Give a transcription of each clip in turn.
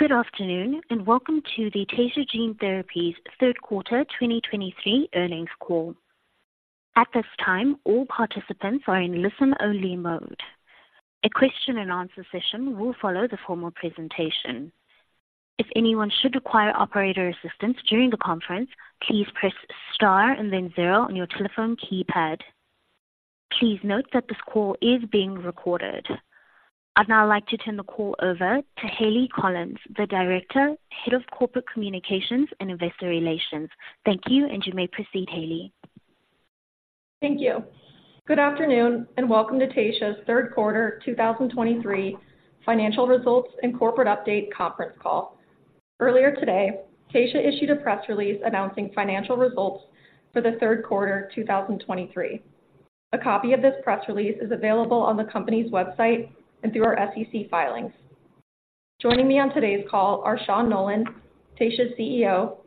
Good afternoon, and welcome to the Taysha Gene Therapies third quarter 2023 earnings call. At this time, all participants are in listen-only mode. A question and answer session will follow the formal presentation. If anyone should require operator assistance during the conference, please press Star and then zero on your telephone keypad. Please note that this call is being recorded. I'd now like to turn the call over to Hayleigh Collins, the Director, Head of Corporate Communications and Investor Relations. Thank you, and you may proceed, Hayleigh. Thank you. Good afternoon, and welcome to Taysha's third quarter 2023 financial results and corporate update conference call. Earlier today, Taysha issued a press release announcing financial results for the third quarter 2023. A copy of this press release is available on the company's website and through our SEC filings. Joining me on today's call are Sean Nolan, Taysha's CEO,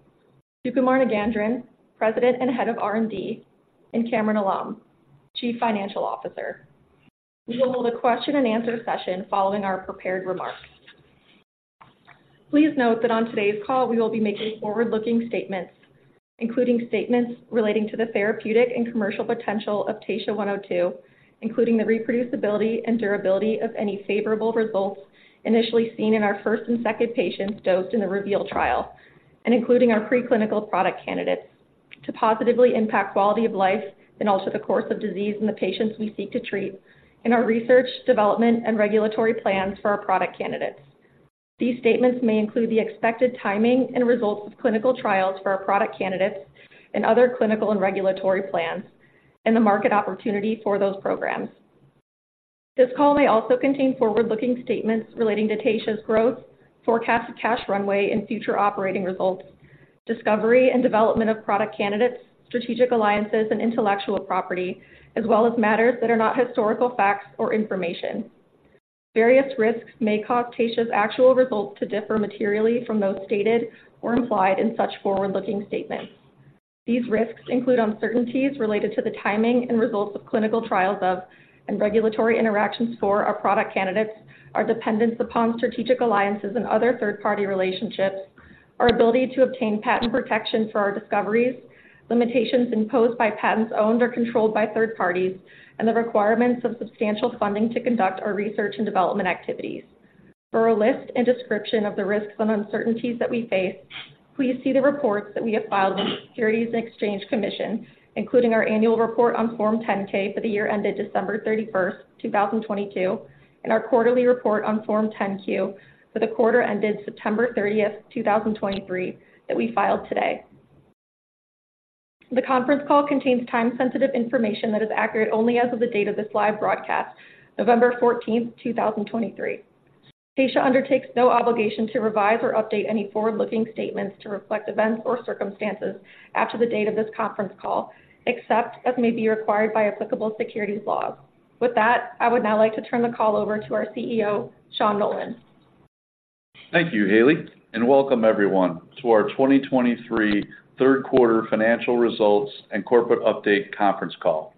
Sukumar Nagendran, President and Head of R&D, and Kamran Alam, Chief Financial Officer. We will hold a question and answer session following our prepared remarks. Please note that on today's call, we will be making forward-looking statements, including statements relating to the therapeutic and commercial potential of TSHA-102, including the reproducibility and durability of any favorable results initially seen in our first and second patients dosed in the REVEAL trial, and including our preclinical product candidates to positively impact quality of life and alter the course of disease in the patients we seek to treat, and our research, development, and regulatory plans for our product candidates. These statements may include the expected timing and results of clinical trials for our product candidates and other clinical and regulatory plans, and the market opportunity for those programs. This call may also contain forward-looking statements relating to Taysha's growth, forecasted cash runway, and future operating results, discovery and development of product candidates, strategic alliances, and intellectual property, as well as matters that are not historical facts or information. Various risks may cause Taysha's actual results to differ materially from those stated or implied in such forward-looking statements. These risks include uncertainties related to the timing and results of clinical trials of, and regulatory interactions for our product candidates, our dependence upon strategic alliances and other third-party relationships, our ability to obtain patent protection for our discoveries, limitations imposed by patents owned or controlled by third parties, and the requirements of substantial funding to conduct our research and development activities. For a list and description of the risks and uncertainties that we face, please see the reports that we have filed with the Securities and Exchange Commission, including our annual report on Form 10-K for the year ended December 31, 2022, and our quarterly report on Form 10-Q for the quarter ended September 30, 2023, that we filed today. The conference call contains time-sensitive information that is accurate only as of the date of this live broadcast, November 14, 2023. Taysha undertakes no obligation to revise or update any forward-looking statements to reflect events or circumstances after the date of this conference call, except as may be required by applicable securities laws. With that, I would now like to turn the call over to our CEO, Sean Nolan. Thank you, Hayleigh, and welcome everyone to our 2023 third quarter financial results and corporate update conference call.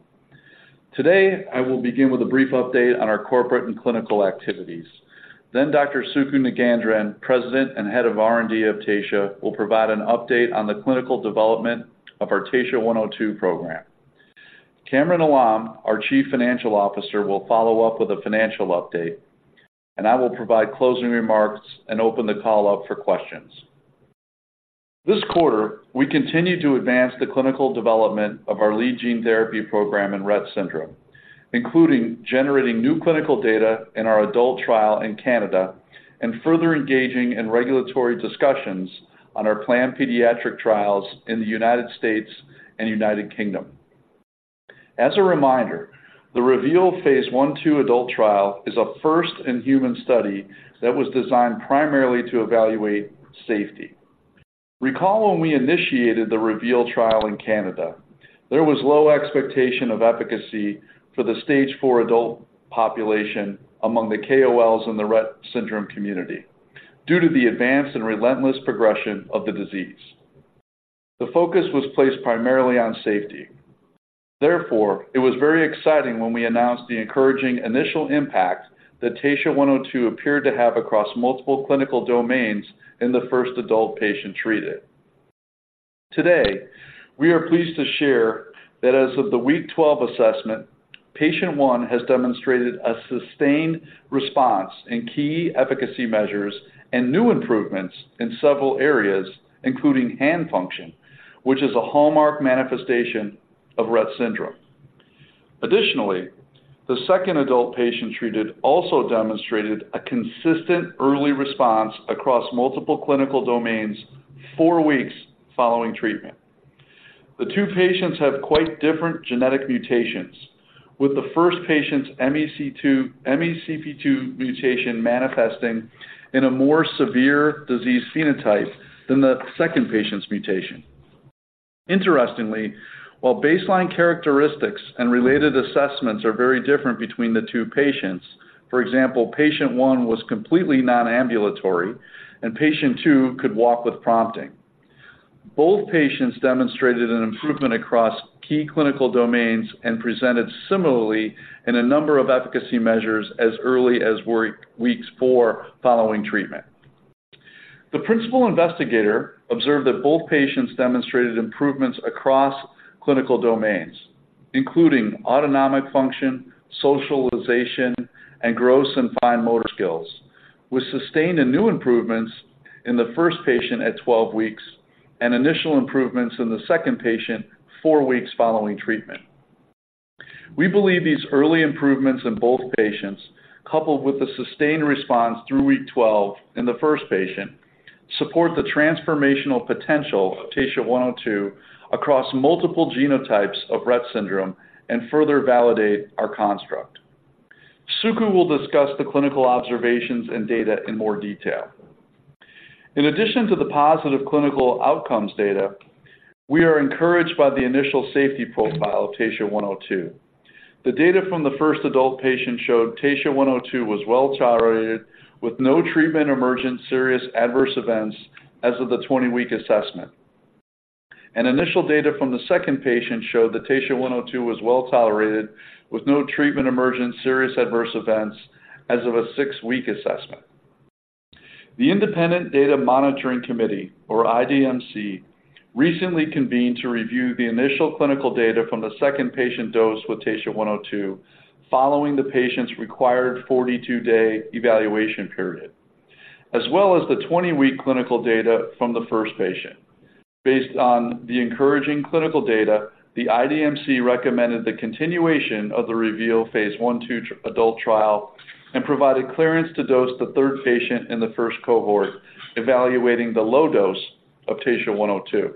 Today, I will begin with a brief update on our corporate and clinical activities. Then Dr. Sukumar Nagendran, President and Head of R&D of Taysha, will provide an update on the clinical development of our TSHA-102 program. Kamran Alam, our Chief Financial Officer, will follow up with a financial update, and I will provide closing remarks and open the call up for questions. This quarter, we continued to advance the clinical development of our lead gene therapy program in Rett syndrome, including generating new clinical data in our adult trial in Canada and further engaging in regulatory discussions on our planned pediatric trials in the United States and United Kingdom. As a reminder, the REVEAL phase I/II adult trial is a first-in-human study that was designed primarily to evaluate safety. Recall when we initiated the REVEAL trial in Canada, there was low expectation of efficacy for the stage 4 adult population among the KOLs in the Rett syndrome community due to the advanced and relentless progression of the disease. The focus was placed primarily on safety. Therefore, it was very exciting when we announced the encouraging initial impact that TSHA-102 appeared to have across multiple clinical domains in the first adult patient treated. Today, we are pleased to share that as of the week 12 assessment, patient 1 has demonstrated a sustained response in key efficacy measures and new improvements in several areas, including hand function, which is a hallmark manifestation of Rett syndrome. Additionally, the second adult patient treated also demonstrated a consistent early response across multiple clinical domains four weeks following treatment. The two patients have quite different genetic mutations, with the first patient's MECP2 mutation manifesting in a more severe disease phenotype than the second patient's mutation. Interestingly, while baseline characteristics and related assessments are very different between the two patients, for example, patient one was completely non-ambulatory and patient two could walk with prompting. Both patients demonstrated an improvement across key clinical domains and presented similarly in a number of efficacy measures as early as four weeks following treatment. The principal investigator observed that both patients demonstrated improvements across clinical domains, including autonomic function, socialization, and gross and fine motor skills, with sustained and new improvements in the first patient at 12 weeks, and initial improvements in the second patient four weeks following treatment. We believe these early improvements in both patients, coupled with the sustained response through week 12 in the first patient, support the transformational potential of TSHA-102 across multiple genotypes of Rett syndrome and further validate our construct. Suku will discuss the clinical observations and data in more detail. In addition to the positive clinical outcomes data, we are encouraged by the initial safety profile of TSHA-102. The data from the first adult patient showed TSHA-102 was well tolerated, with no treatment-emergent serious adverse events as of the 20-week assessment. Initial data from the second patient showed that TSHA-102 was well tolerated, with no treatment-emergent serious adverse events as of a 6-week assessment. The Independent Data Monitoring Committee, or IDMC, recently convened to review the initial clinical data from the second patient dosed with TSHA-102 following the patient's required 42-day evaluation period, as well as the 20-week clinical data from the first patient. Based on the encouraging clinical data, the IDMC recommended the continuation of the REVEAL phase I/II adult trial and provided clearance to dose the third patient in the first cohort, evaluating the low dose of TSHA-102.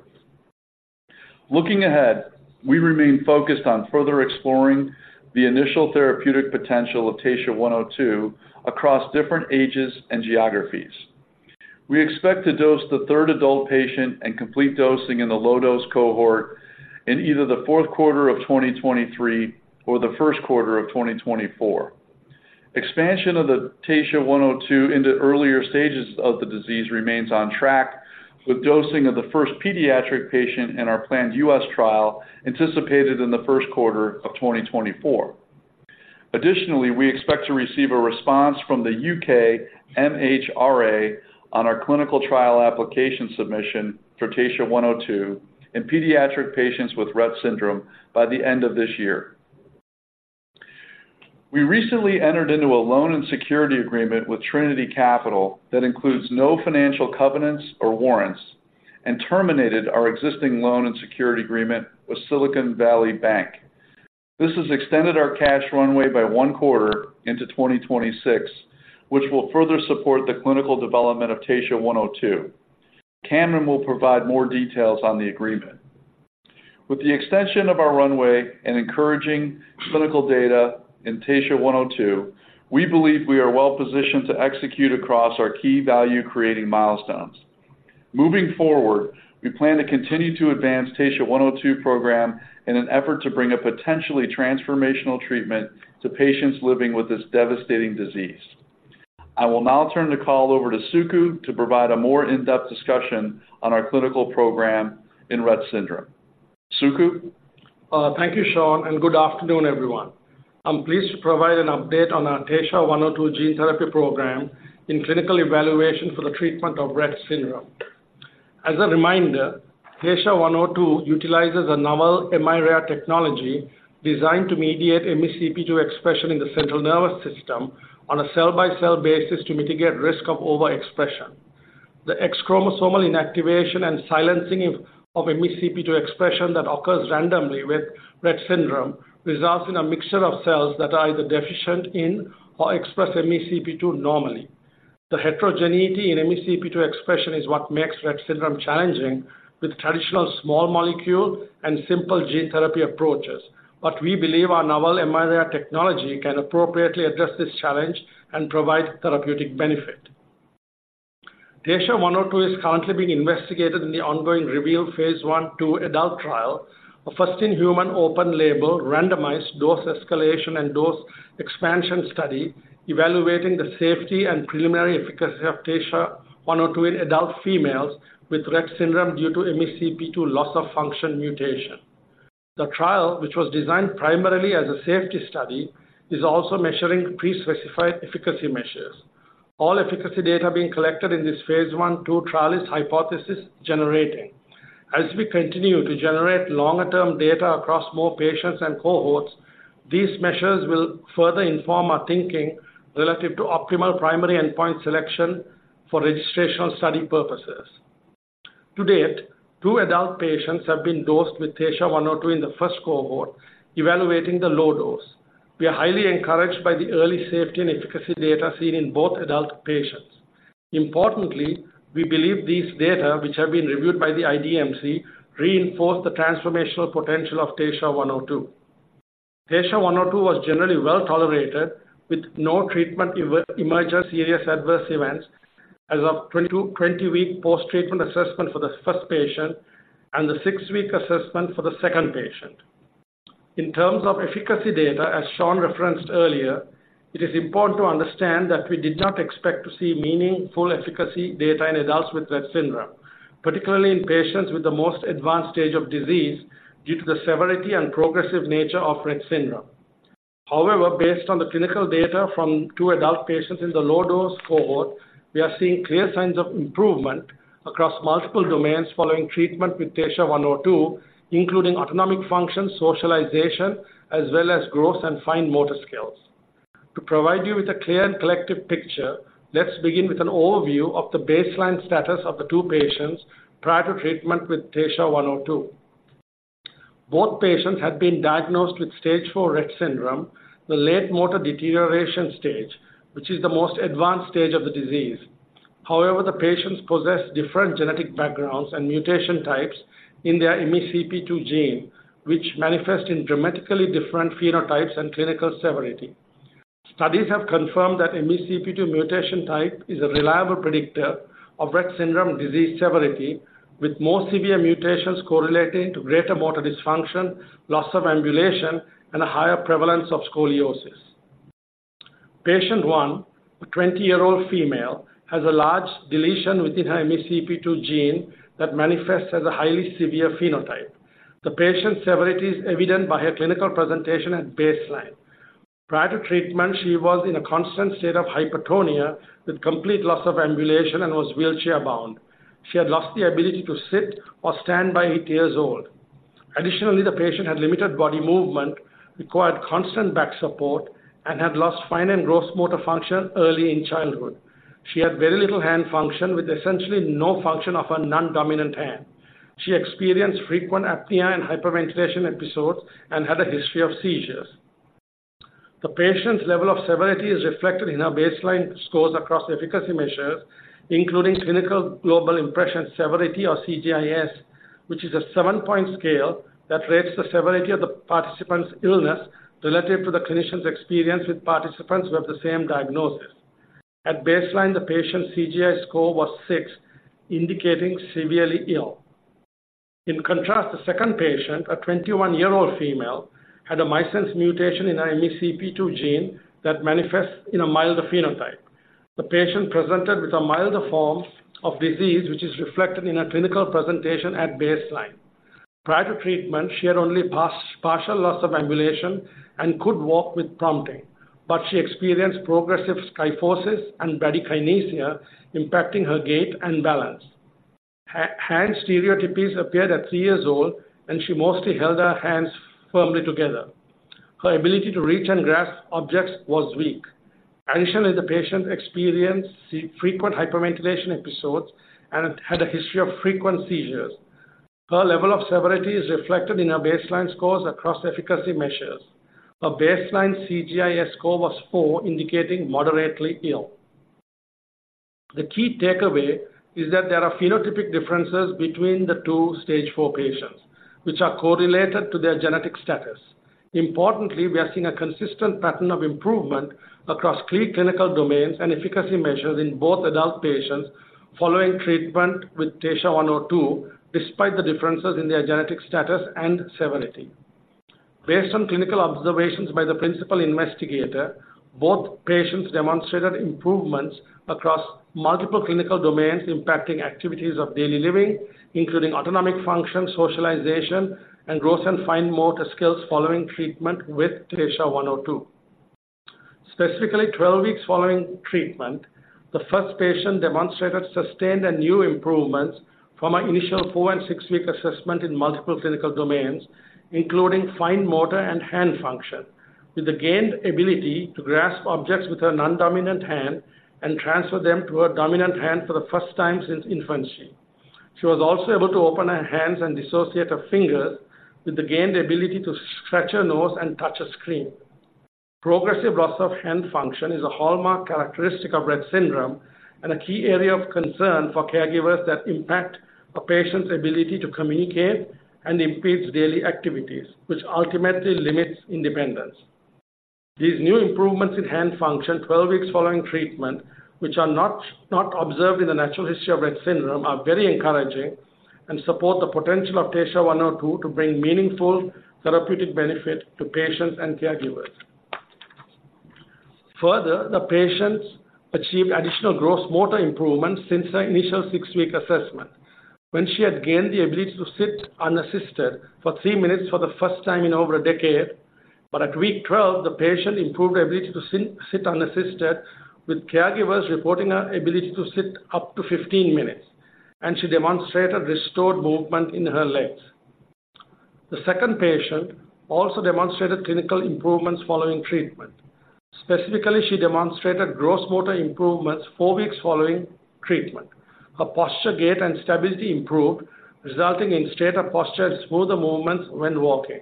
Looking ahead, we remain focused on further exploring the initial therapeutic potential of TSHA-102 across different ages and geographies. We expect to dose the third adult patient and complete dosing in the low-dose cohort in either the fourth quarter of 2023 or the first quarter of 2024. Expansion of the TSHA-102 into earlier stages of the disease remains on track, with dosing of the first pediatric patient in our planned U.S. trial anticipated in the first quarter of 2024. Additionally, we expect to receive a response from the U.K. MHRA on our clinical trial application submission for TSHA-102 in pediatric patients with Rett syndrome by the end of this year. We recently entered into a loan and security agreement with Trinity Capital that includes no financial covenants or warrants and terminated our existing loan and security agreement with Silicon Valley Bank. This has extended our cash runway by one quarter into 2026, which will further support the clinical development of TSHA-102. Kamran will provide more details on the agreement. With the extension of our runway and encouraging clinical data in TSHA-102, we believe we are well positioned to execute across our key value-creating milestones. Moving forward, we plan to continue to advance TSHA-102 program in an effort to bring a potentially transformational treatment to patients living with this devastating disease. I will now turn the call over to Suku to provide a more in-depth discussion on our clinical program in Rett syndrome. Suku? Thank you, Sean, and good afternoon, everyone. I'm pleased to provide an update on our TSHA-102 gene therapy program in clinical evaluation for the treatment of Rett syndrome. As a reminder, TSHA-102 utilizes a novel miRNA technology designed to mediate MeCP2 expression in the central nervous system on a cell-by-cell basis to mitigate risk of overexpression. The X chromosomal inactivation and silencing of MeCP2 expression that occurs randomly with Rett syndrome results in a mixture of cells that are either deficient in or express MeCP2 normally. The heterogeneity in MeCP2 expression is what makes Rett syndrome challenging with traditional small molecule and simple gene therapy approaches. But we believe our novel miRNA technology can appropriately address this challenge and provide therapeutic benefit. TSHA-102 is currently being investigated in the ongoing REVEAL phase I/II adult trial, a first-in-human, open label, randomized dose escalation and dose expansion study evaluating the safety and preliminary efficacy of TSHA-102 in adult females with Rett syndrome due to MeCP2 loss of function mutation. The trial, which was designed primarily as a safety study, is also measuring pre-specified efficacy measures. All efficacy data being collected in this phase I/II trial is hypothesis generating. As we continue to generate longer-term data across more patients and cohorts, these measures will further inform our thinking relative to optimal primary endpoint selection for registrational study purposes. To date, two adult patients have been dosed with TSHA-102 in the first cohort, evaluating the low dose. We are highly encouraged by the early safety and efficacy data seen in both adult patients. Importantly, we believe these data, which have been reviewed by the IDMC, reinforce the transformational potential of TSHA-102. TSHA-102 was generally well tolerated, with no treatment emergent serious adverse events as of 22-week post-treatment assessment for the first patient and the six-week assessment for the second patient. In terms of efficacy data, as Sean referenced earlier, it is important to understand that we did not expect to see meaningful efficacy data in adults with Rett syndrome, particularly in patients with the most advanced stage of disease, due to the severity and progressive nature of Rett syndrome. However, based on the clinical data from two adult patients in the low-dose cohort, we are seeing clear signs of improvement across multiple domains following treatment with TSHA-102, including autonomic function, socialization, as well as growth and fine motor skills. To provide you with a clear and collective picture, let's begin with an overview of the baseline status of the two patients prior to treatment with TSHA-102. Both patients had been diagnosed with stage 4 Rett syndrome, the late motor deterioration stage, which is the most advanced stage of the disease. However, the patients possess different genetic backgrounds and mutation types in their MeCP2 gene, which manifest in dramatically different phenotypes and clinical severity. Studies have confirmed that MeCP2 mutation type is a reliable predictor of Rett syndrome disease severity, with more severe mutations correlating to greater motor dysfunction, loss of ambulation, and a higher prevalence of scoliosis. Patient one, a 20-year-old female, has a large deletion within her MeCP2 gene that manifests as a highly severe phenotype. The patient's severity is evident by her clinical presentation at baseline. Prior to treatment, she was in a constant state of hypertonia with complete loss of ambulation and was wheelchair-bound. She had lost the ability to sit or stand by eight years old. Additionally, the patient had limited body movement, required constant back support, and had lost fine and gross motor function early in childhood. She had very little hand function, with essentially no function of her non-dominant hand. She experienced frequent apnea and hyperventilation episodes and had a history of seizures. The patient's level of severity is reflected in her baseline scores across efficacy measures, including Clinical Global Impressions-Severity, or CGI-S, which is a seven-point scale that rates the severity of the participant's illness relative to the clinician's experience with participants who have the same diagnosis. At baseline, the patient's CGI-S score was six, indicating severely ill. In contrast, the second patient, a 21-year-old female, had a missense mutation in her MeCP2 gene that manifests in a milder phenotype. The patient presented with a milder form of disease, which is reflected in her clinical presentation at baseline. Prior to treatment, she had only partial loss of ambulation and could walk with prompting, but she experienced progressive kyphosis and bradykinesia, impacting her gait and balance. Hand stereotypies appeared at three years old, and she mostly held her hands firmly together. Her ability to reach and grasp objects was weak. Additionally, the patient experienced frequent hyperventilation episodes and had a history of frequent seizures. Her level of severity is reflected in her baseline scores across efficacy measures. Her baseline CGI-S score was 4, indicating moderately ill. The key takeaway is that there are phenotypic differences between the 2 Stage 4 patients, which are correlated to their genetic status. Importantly, we are seeing a consistent pattern of improvement across key clinical domains and efficacy measures in both adult patients following treatment with TSHA-102, despite the differences in their genetic status and severity. Based on clinical observations by the principal investigator, both patients demonstrated improvements across multiple clinical domains impacting activities of daily living, including autonomic function, socialization, and gross and fine motor skills following treatment with TSHA-102. Specifically, 12 weeks following treatment, the first patient demonstrated sustained and new improvements from her initial 4- and 6-week assessment in multiple clinical domains, including fine motor and hand function, with the gained ability to grasp objects with her non-dominant hand and transfer them to her dominant hand for the first time since infancy. She was also able to open her hands and dissociate her fingers, with the gained ability to scratch her nose and touch a screen. Progressive loss of hand function is a hallmark characteristic of Rett syndrome and a key area of concern for caregivers that impact a patient's ability to communicate and impedes daily activities, which ultimately limits independence. These new improvements in hand function 12 weeks following treatment, which are not observed in the natural history of Rett syndrome, are very encouraging and support the potential of TSHA-102 to bring meaningful therapeutic benefit to patients and caregivers. Further, the patients achieved additional gross motor improvements since her initial 6-week assessment, when she had gained the ability to sit unassisted for 3 minutes for the first time in over a decade. But at week 12, the patient improved her ability to sit unassisted, with caregivers reporting her ability to sit up to 15 minutes, and she demonstrated restored movement in her legs. The second patient also demonstrated clinical improvements following treatment. Specifically, she demonstrated gross motor improvements four weeks following treatment. Her posture, gait, and stability improved, resulting in straighter posture and smoother movements when walking.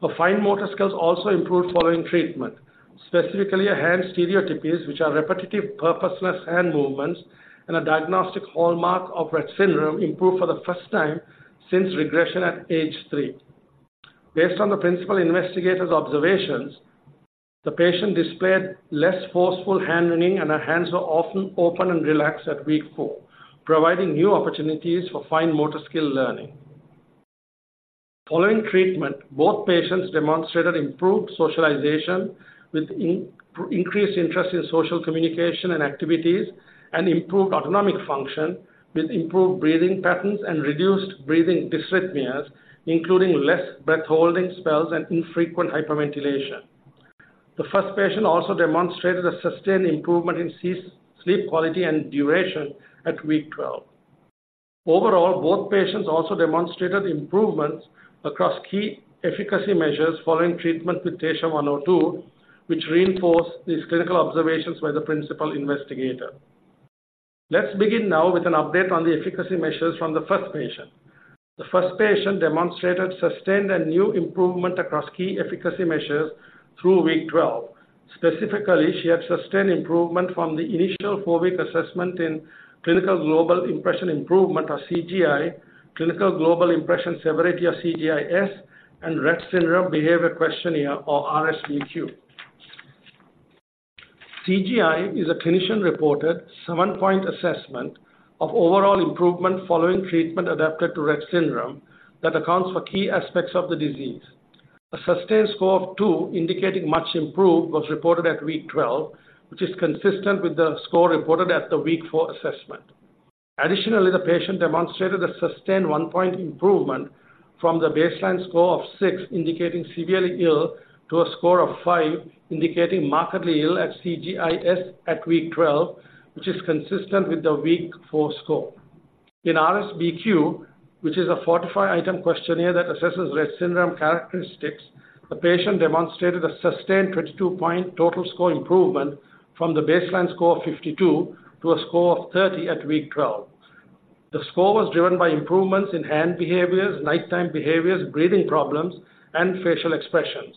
Her fine motor skills also improved following treatment. Specifically, her hand stereotypies, which are repetitive, purposeless hand movements and a diagnostic hallmark of Rett syndrome, improved for the first time since regression at age 3. Based on the principal investigator's observations. The patient displayed less forceful hand wringing, and her hands were often open and relaxed at week 4, providing new opportunities for fine motor skill learning. Following treatment, both patients demonstrated improved socialization with increased interest in social communication and activities, and improved autonomic function with improved breathing patterns and reduced breathing dysrhythmias, including less breath holding spells and infrequent hyperventilation. The first patient also demonstrated a sustained improvement in sleep quality and duration at week 12. Overall, both patients also demonstrated improvements across key efficacy measures following treatment with TSHA-102, which reinforce these clinical observations by the principal investigator. Let's begin now with an update on the efficacy measures from the first patient. The first patient demonstrated sustained and new improvement across key efficacy measures through week 12. Specifically, she had sustained improvement from the initial 4-week assessment in Clinical Global Impressions Improvement, or CGI, Clinical Global Impressions-Severity, or CGI-S, and Rett Syndrome Behavior Questionnaire, or RSBQ. CGI-I is a clinician-reported 7-point assessment of overall improvement following treatment adapted to Rett syndrome that accounts for key aspects of the disease. A sustained score of 2, indicating much improved, was reported at week 12, which is consistent with the score reported at the week 4 assessment. Additionally, the patient demonstrated a sustained 1-point improvement from the baseline score of 6, indicating severely ill, to a score of 5, indicating markedly ill at CGI-S at week 12, which is consistent with the week 4 score. In RSBQ, which is a 45-item questionnaire that assesses Rett syndrome characteristics, the patient demonstrated a sustained 22-point total score improvement from the baseline score of 52 to a score of 30 at week 12. The score was driven by improvements in hand behaviors, nighttime behaviors, breathing problems, and facial expressions.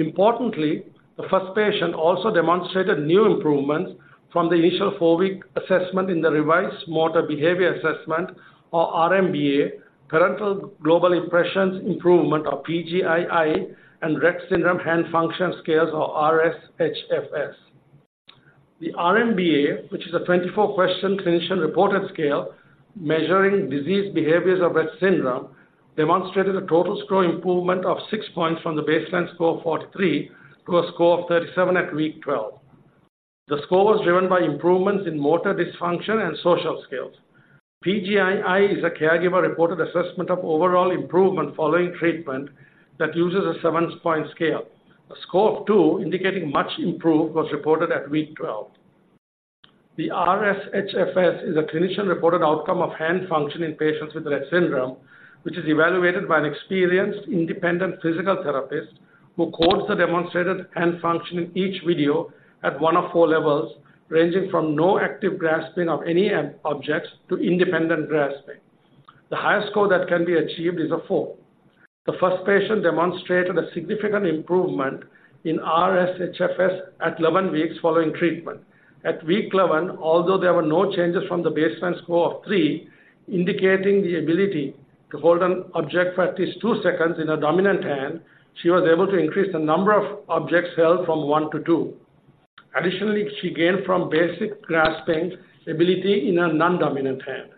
Importantly, the first patient also demonstrated new improvements from the initial 4-week assessment in the Revised Motor Behavior Assessment, or RMBA, Parental Global Impressions Improvement, or PGI-I, and Rett Syndrome Hand Function Scales, or RSHFS. The RMBA, which is a 24-question clinician-reported scale measuring disease behaviors of Rett syndrome, demonstrated a total score improvement of 6 points from the baseline score of 43 to a score of 37 at week 12. The score was driven by improvements in motor dysfunction and social skills. PGI-I is a caregiver-reported assessment of overall improvement following treatment that uses a 7-point scale. A score of 2, indicating much improved, was reported at week 12. The RSHFS is a clinician-reported outcome of hand function in patients with Rett syndrome, which is evaluated by an experienced independent physical therapist, who codes the demonstrated hand function in each video at one of four levels, ranging from no active grasping of any hand objects to independent grasping. The highest score that can be achieved is a four. The first patient demonstrated a significant improvement in RSHFS at 11 weeks following treatment. At week 11, although there were no changes from the baseline score of three, indicating the ability to hold an object for at least two seconds in her dominant hand, she was able to increase the number of objects held from one to two. Additionally, she gained from basic grasping ability in her non-dominant hand.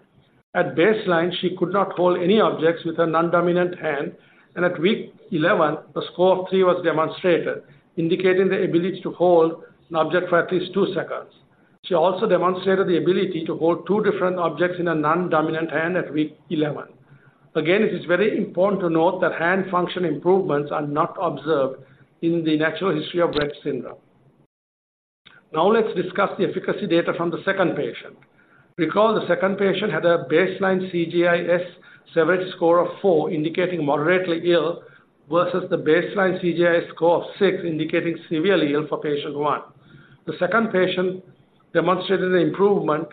At baseline, she could not hold any objects with her non-dominant hand, and at week 11, a score of 3 was demonstrated, indicating the ability to hold an object for at least two seconds. She also demonstrated the ability to hold two different objects in her non-dominant hand at week 11. Again, it is very important to note that hand function improvements are not observed in the natural history of Rett syndrome. Now, let's discuss the efficacy data from the second patient. Recall, the second patient had a baseline CGI-S severity score of 4, indicating moderately ill, versus the baseline CGI-S score of 6, indicating severely ill for patient one. The second patient demonstrated an improvement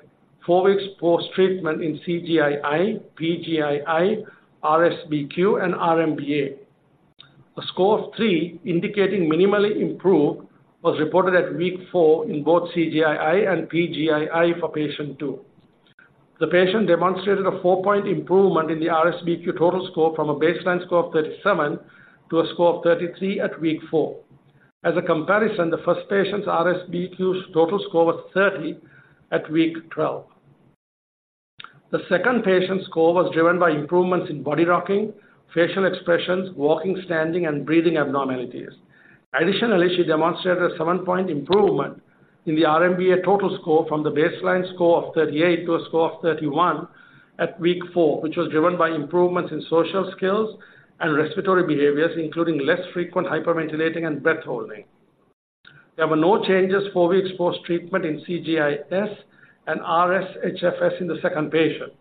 4 weeks post-treatment in CGI-I, PGI-I, RSBQ, and RMBA. A score of 3, indicating minimally improved, was reported at week 4 in both CGI-I and PGI-I for patient two. The patient demonstrated a 4-point improvement in the RSBQ total score from a baseline score of 37 to a score of 33 at week 4. As a comparison, the first patient's RSBQ total score was 30 at week 12. The second patient's score was driven by improvements in body rocking, facial expressions, walking, standing, and breathing abnormalities. Additionally, she demonstrated a 7-point improvement in the RMBA total score from the baseline score of 38 to a score of 31 at week 4, which was driven by improvements in social skills and respiratory behaviors, including less frequent hyperventilating and breath holding. There were no changes 4 weeks post-treatment in CGI-S and RSHFS in the second patient.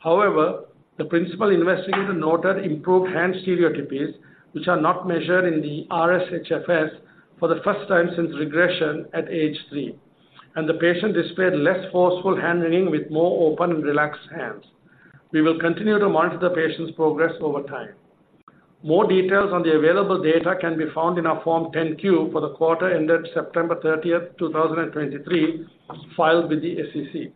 However, the principal investigator noted improved hand stereotypies, which are not measured in the RSHFS, for the first time since regression at age three, and the patient displayed less forceful hand wringing with more open and relaxed hands. We will continue to monitor the patient's progress over time. More details on the available data can be found in our Form 10-Q for the quarter ended September 30, 2023, filed with the SEC....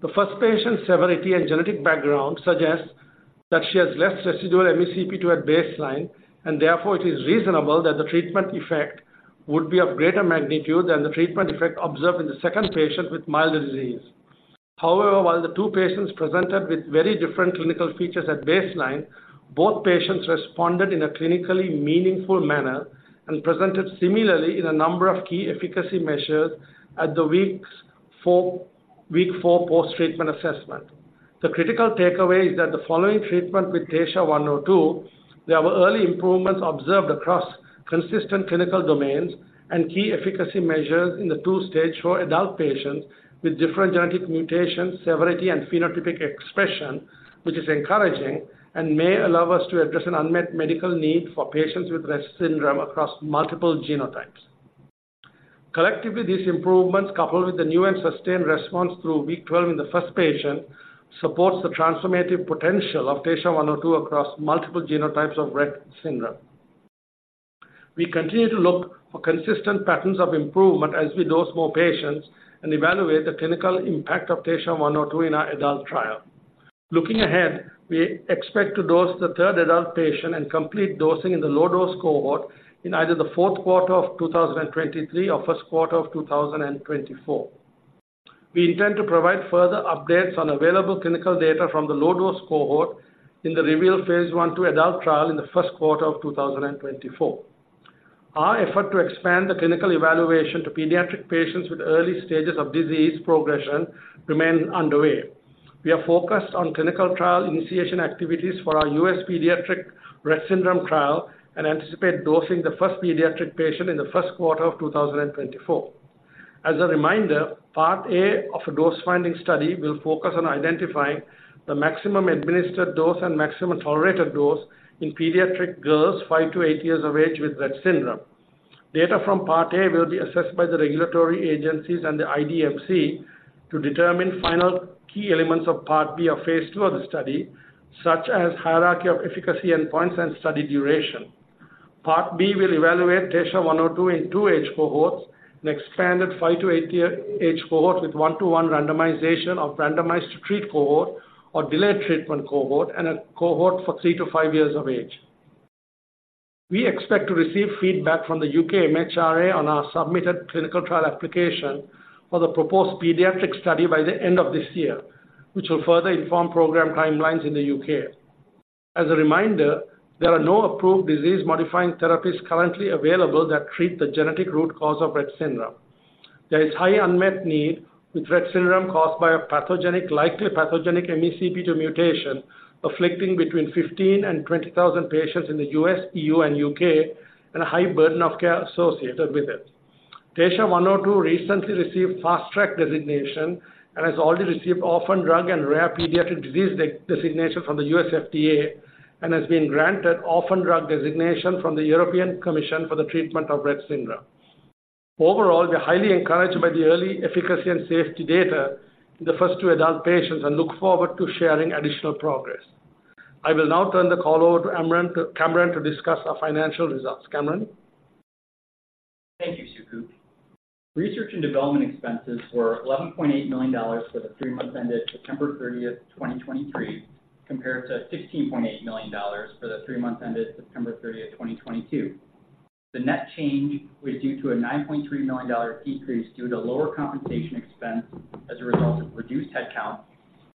The first patient's severity and genetic background suggests that she has less residual MeCP2 at baseline, and therefore, it is reasonable that the treatment effect would be of greater magnitude than the treatment effect observed in the second patient with mild disease. However, while the two patients presented with very different clinical features at baseline, both patients responded in a clinically meaningful manner and presented similarly in a number of key efficacy measures at the week four post-treatment assessment. The critical takeaway is that the following treatment with TSHA-102, there were early improvements observed across consistent clinical domains and key efficacy measures in the two stage 4 adult patients with different genetic mutations, severity, and phenotypic expression, which is encouraging and may allow us to address an unmet medical need for patients with Rett syndrome across multiple genotypes. Collectively, these improvements, coupled with the new and sustained response through week 12 in the first patient, supports the transformative potential of TSHA-102 across multiple genotypes of Rett syndrome. We continue to look for consistent patterns of improvement as we dose more patients and evaluate the clinical impact of TSHA-102 in our adult trial. Looking ahead, we expect to dose the third adult patient and complete dosing in the low-dose cohort in either the fourth quarter of 2023 or first quarter of 2024. We intend to provide further updates on available clinical data from the low-dose cohort in the REVEAL phase I/II adult trial in the first quarter of 2024. Our effort to expand the clinical evaluation to pediatric patients with early stages of disease progression remain underway. We are focused on clinical trial initiation activities for our U.S. pediatric Rett syndrome trial and anticipate dosing the first pediatric patient in the first quarter of 2024. As a reminder, Part A of a dose-finding study will focus on identifying the maximum administered dose and maximum tolerated dose in pediatric girls 5-8 years of age with Rett syndrome. Data from Part A will be assessed by the regulatory agencies and the IDMC to determine final key elements of Part B of phase II of the study, such as hierarchy of efficacy, endpoints, and study duration. Part B will evaluate TSHA-102 in two age cohorts, an expanded 5- to 8-year age cohort with 1-to-1 randomization of randomized treat cohort or delayed treatment cohort, and a cohort for 3-5 years of age. We expect to receive feedback from the U.K. MHRA on our submitted clinical trial application for the proposed pediatric study by the end of this year, which will further inform program timelines in the U.K. As a reminder, there are no approved disease-modifying therapies currently available that treat the genetic root cause of Rett syndrome. There is high unmet need with Rett syndrome caused by a pathogenic, likely pathogenic MeCP2 mutation, afflicting between 15 and 20,000 patients in the U.S., E.U., and U.K., and a high burden of care associated with it. TSHA-102 recently received Fast Track Designation and has already received Orphan Drug and Rare Pediatric Disease Designation from the U.S. FDA, and has been granted Orphan Drug Designation from the European Commission for the treatment of Rett syndrome. Overall, we're highly encouraged by the early efficacy and safety data in the first two adult patients and look forward to sharing additional progress. I will now turn the call over to Kamran to discuss our financial results. Kamran? Thank you, Suku. Research and development expenses were $11.8 million for the three months ended September 30, 2023, compared to $16.8 million for the three months ended September 30, 2022. The net change was due to a $9.3 million decrease due to lower compensation expense as a result of reduced headcount,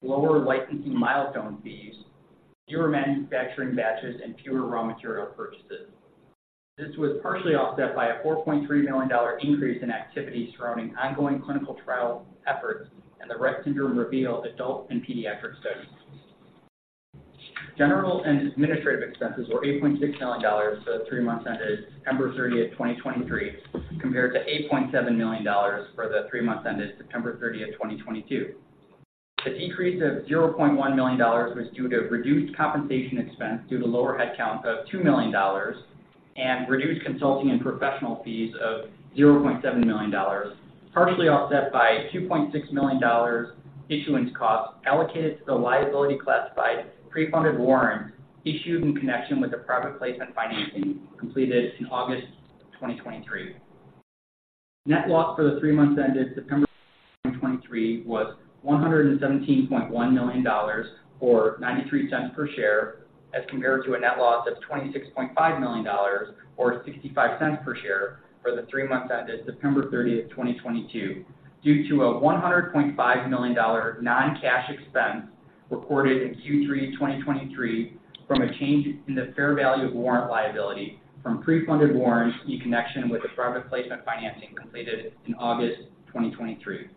lower licensing milestone fees, fewer manufacturing batches, and fewer raw material purchases. This was partially offset by a $4.3 million increase in activities surrounding ongoing clinical trial efforts and the Rett syndrome REVEAL adult and pediatric studies. General and administrative expenses were $8.6 million for the three months ended September 30, 2023, compared to $8.7 million for the three months ended September 30, 2022. The decrease of $0.1 million was due to reduced compensation expense due to lower headcounts of $2 million and reduced consulting and professional fees of $0.7 million, partially offset by $2.6 million issuance costs allocated to the liability-classified pre-funded warrants issued in connection with the private placement financing completed in August 2023. Net loss for the three months ended September 2023 was $117.1 million, or $0.93 per share, as compared to a net loss of $26.5 million, or $0.65 per share, for the three months ended September 30, 2022, due to a $100.5 million non-cash expense reported in Q3 2023 from a change in the fair value of warrant liability from pre-funded warrants in connection with the private placement financing completed in August 2023.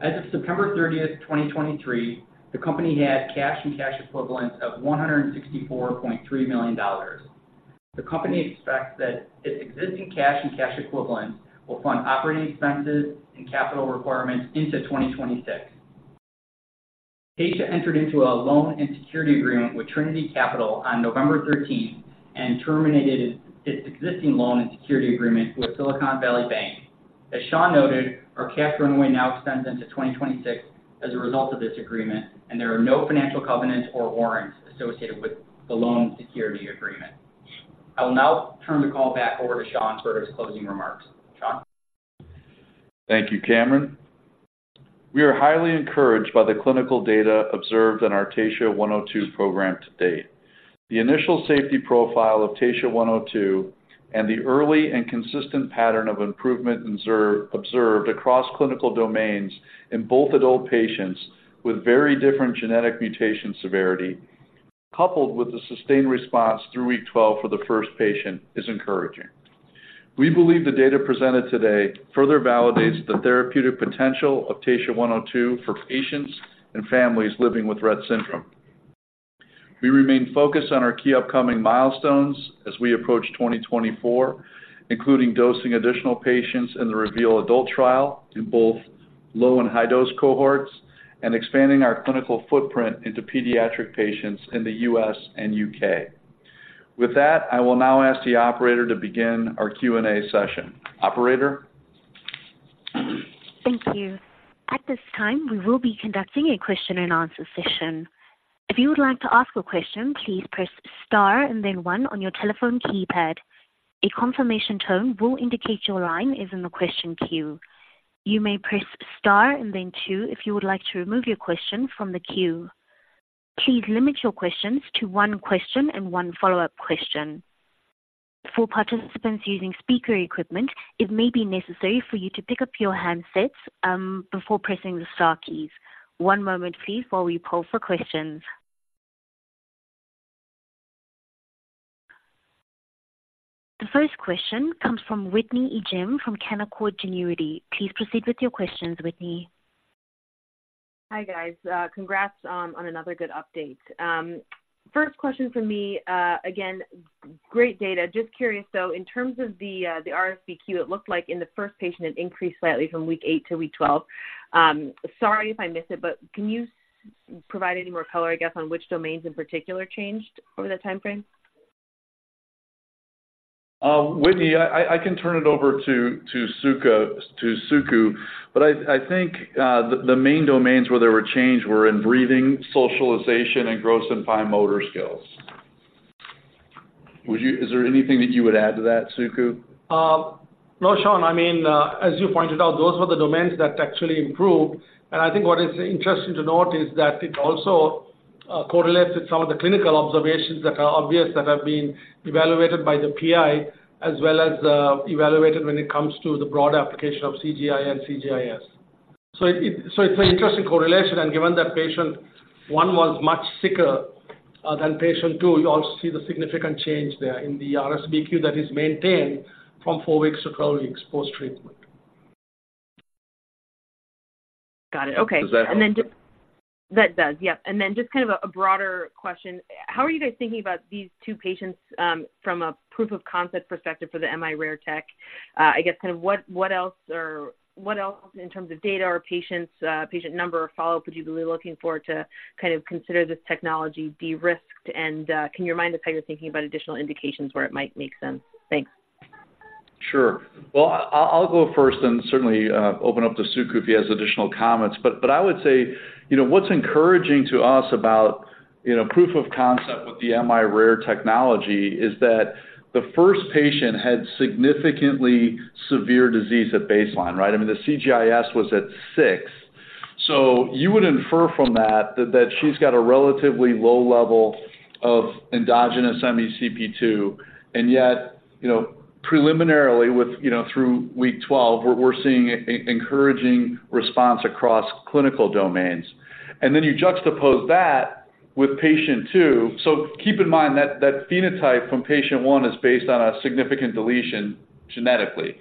As of September 30, 2023, the company had cash and cash equivalents of $164.3 million. The company expects that its existing cash and cash equivalents will fund operating expenses and capital requirements into 2026. Taysha entered into a loan and security agreement with Trinity Capital on November thirteenth and terminated its existing loan and security agreement with Silicon Valley Bank. As Sean noted, our cash runway now extends into 2026 as a result of this agreement, and there are no financial covenants or warrants associated with the loan security agreement. I will now turn the call back over to Sean for his closing remarks. Sean? Thank you, Kamran. We are highly encouraged by the clinical data observed in our TSHA-102 program to date. The initial safety profile of TSHA-102 and the early and consistent pattern of improvement observed across clinical domains in both adult patients with very different genetic mutation severity, coupled with the sustained response through week 12 for the first patient, is encouraging. We believe the data presented today further validates the therapeutic potential of TSHA-102 for patients and families living with Rett syndrome. We remain focused on our key upcoming milestones as we approach 2024, including dosing additional patients in the REVEAL adult trial in both low and high dose cohorts, and expanding our clinical footprint into pediatric patients in the U.S. and U.K. With that, I will now ask the operator to begin our Q&A session. Operator? Thank you. At this time, we will be conducting a question and answer session. If you would like to ask a question, please press star and then one on your telephone keypad. A confirmation tone will indicate your line is in the question queue. You may press star and then two if you would like to remove your question from the queue. Please limit your questions to one question and one follow-up question. For participants using speaker equipment, it may be necessary for you to pick up your handsets before pressing the star keys. One moment, please, while we poll for questions. The first question comes from Whitney Ijem from Canaccord Genuity. Please proceed with your questions, Whitney. Hi, guys. Congrats on another good update. First question from me. Again, great data. Just curious, though, in terms of the RSBQ, it looked like in the first patient, it increased slightly from week 8 to week 12. Sorry if I missed it, but can you provide any more color, I guess, on which domains in particular changed over that time frame? Whitney, I can turn it over to Suku, but I think the main domains where there were change were in breathing, socialization, and gross and fine motor skills. Would you... Is there anything that you would add to that, Suku? No, Sean. I mean, as you pointed out, those were the domains that actually improved. And I think what is interesting to note is that it also correlates with some of the clinical observations that are obvious, that have been evaluated by the PI, as well as evaluated when it comes to the broader application of CGI and CGI-S. So it's an interesting correlation, and given that patient one was much sicker than patient two, you also see the significant change there in the RSBQ that is maintained from four weeks to twelve weeks post-treatment. Got it. Okay. Does that help? That does, yep. And then just kind of a broader question: How are you guys thinking about these two patients from a proof of concept perspective for the miRARE tech? I guess kind of what, what else or what else in terms of data or patients, patient number or follow-up, would you be looking for to kind of consider this technology de-risked? And, can you remind us how you're thinking about additional indications where it might make sense? Thanks. Sure. Well, I'll go first and certainly open up to Suku if he has additional comments. But I would say, you know, what's encouraging to us about, you know, proof of concept with the miRARE technology is that the first patient had significantly severe disease at baseline, right? I mean, the CGI-S was at 6. So you would infer from that that she's got a relatively low level of endogenous MeCP2, and yet, you know, preliminarily with, you know, through week 12, we're seeing encouraging response across clinical domains. And then you juxtapose that with patient two. So keep in mind that that phenotype from patient one is based on a significant deletion genetically.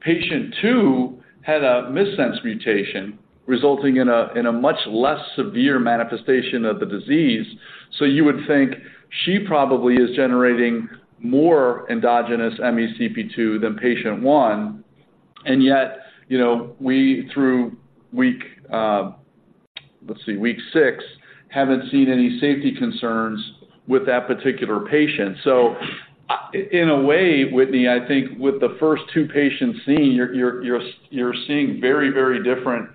Patient two had a missense mutation resulting in a much less severe manifestation of the disease. So you would think she probably is generating more endogenous MeCP2 than patient one. And yet, you know, we through week, let's see, week six, haven't seen any safety concerns with that particular patient. So in a way, Whitney, I think with the first two patients seen, you're seeing very, very different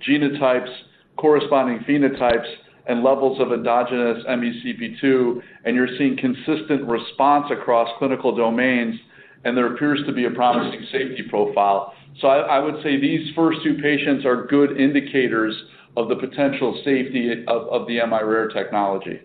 genotypes, corresponding phenotypes and levels of endogenous MeCP2, and you're seeing consistent response across clinical domains, and there appears to be a promising safety profile. So I would say these first two patients are good indicators of the potential safety of the miRARE technology.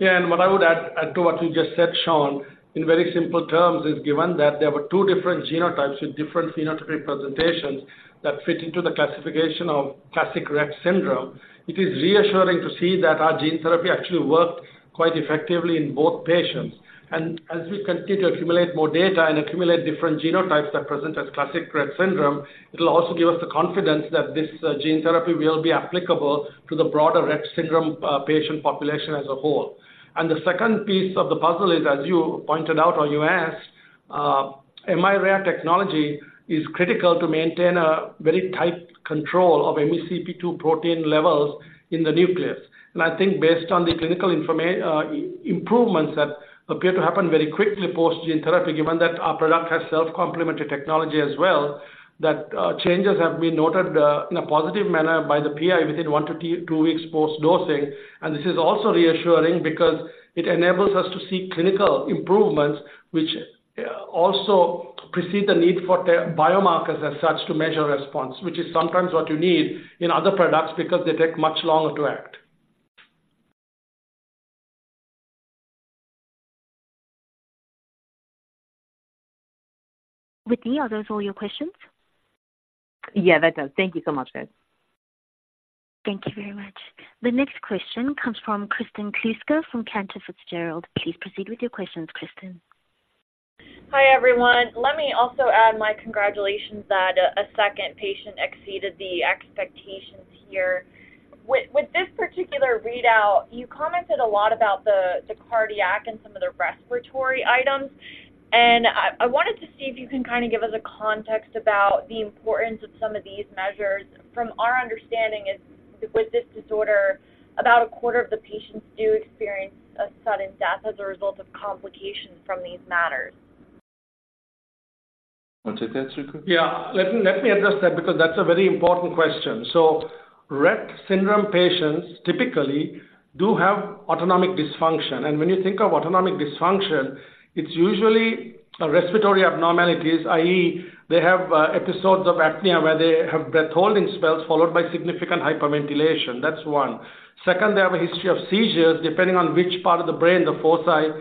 Yeah, and what I would add to what you just said, Sean, in very simple terms, is given that there were two different genotypes with different phenotypic presentations that fit into the classification of classic Rett syndrome, it is reassuring to see that our gene therapy actually worked quite effectively in both patients. And as we continue to accumulate more data and accumulate different genotypes that present as classic Rett syndrome, it'll also give us the confidence that this gene therapy will be applicable to the broader Rett syndrome patient population as a whole. And the second piece of the puzzle is, as you pointed out or you asked, miRARE technology is critical to maintain a very tight control of MeCP2 protein levels in the nucleus. I think based on the clinical information, improvements that appear to happen very quickly post-gene therapy, given that our product has self-complementary technology as well, that changes have been noted in a positive manner by the PI within 1-2 weeks post-dosing. This is also reassuring because it enables us to see clinical improvements, which also precede the need for the biomarkers as such to measure response, which is sometimes what you need in other products because they take much longer to act.... Whitney, are those all your questions? Yeah, that's all. Thank you so much, guys. Thank you very much. The next question comes from Kristen Kluska from Cantor Fitzgerald. Please proceed with your questions, Kristen. Hi, everyone. Let me also add my congratulations that a second patient exceeded the expectations here. With this particular readout, you commented a lot about the cardiac and some of the respiratory items, and I wanted to see if you can kind of give us a context about the importance of some of these measures. From our understanding is, with this disorder, about a quarter of the patients do experience a sudden death as a result of complications from these matters. Wanna take that, Sukumar? Yeah. Let me, let me address that because that's a very important question. So Rett syndrome patients typically do have autonomic dysfunction, and when you think of autonomic dysfunction, it's usually a respiratory abnormalities, i.e., they have episodes of apnea, where they have breath-holding spells followed by significant hyperventilation. That's one. Second, they have a history of seizures, depending on which part of the brain the foci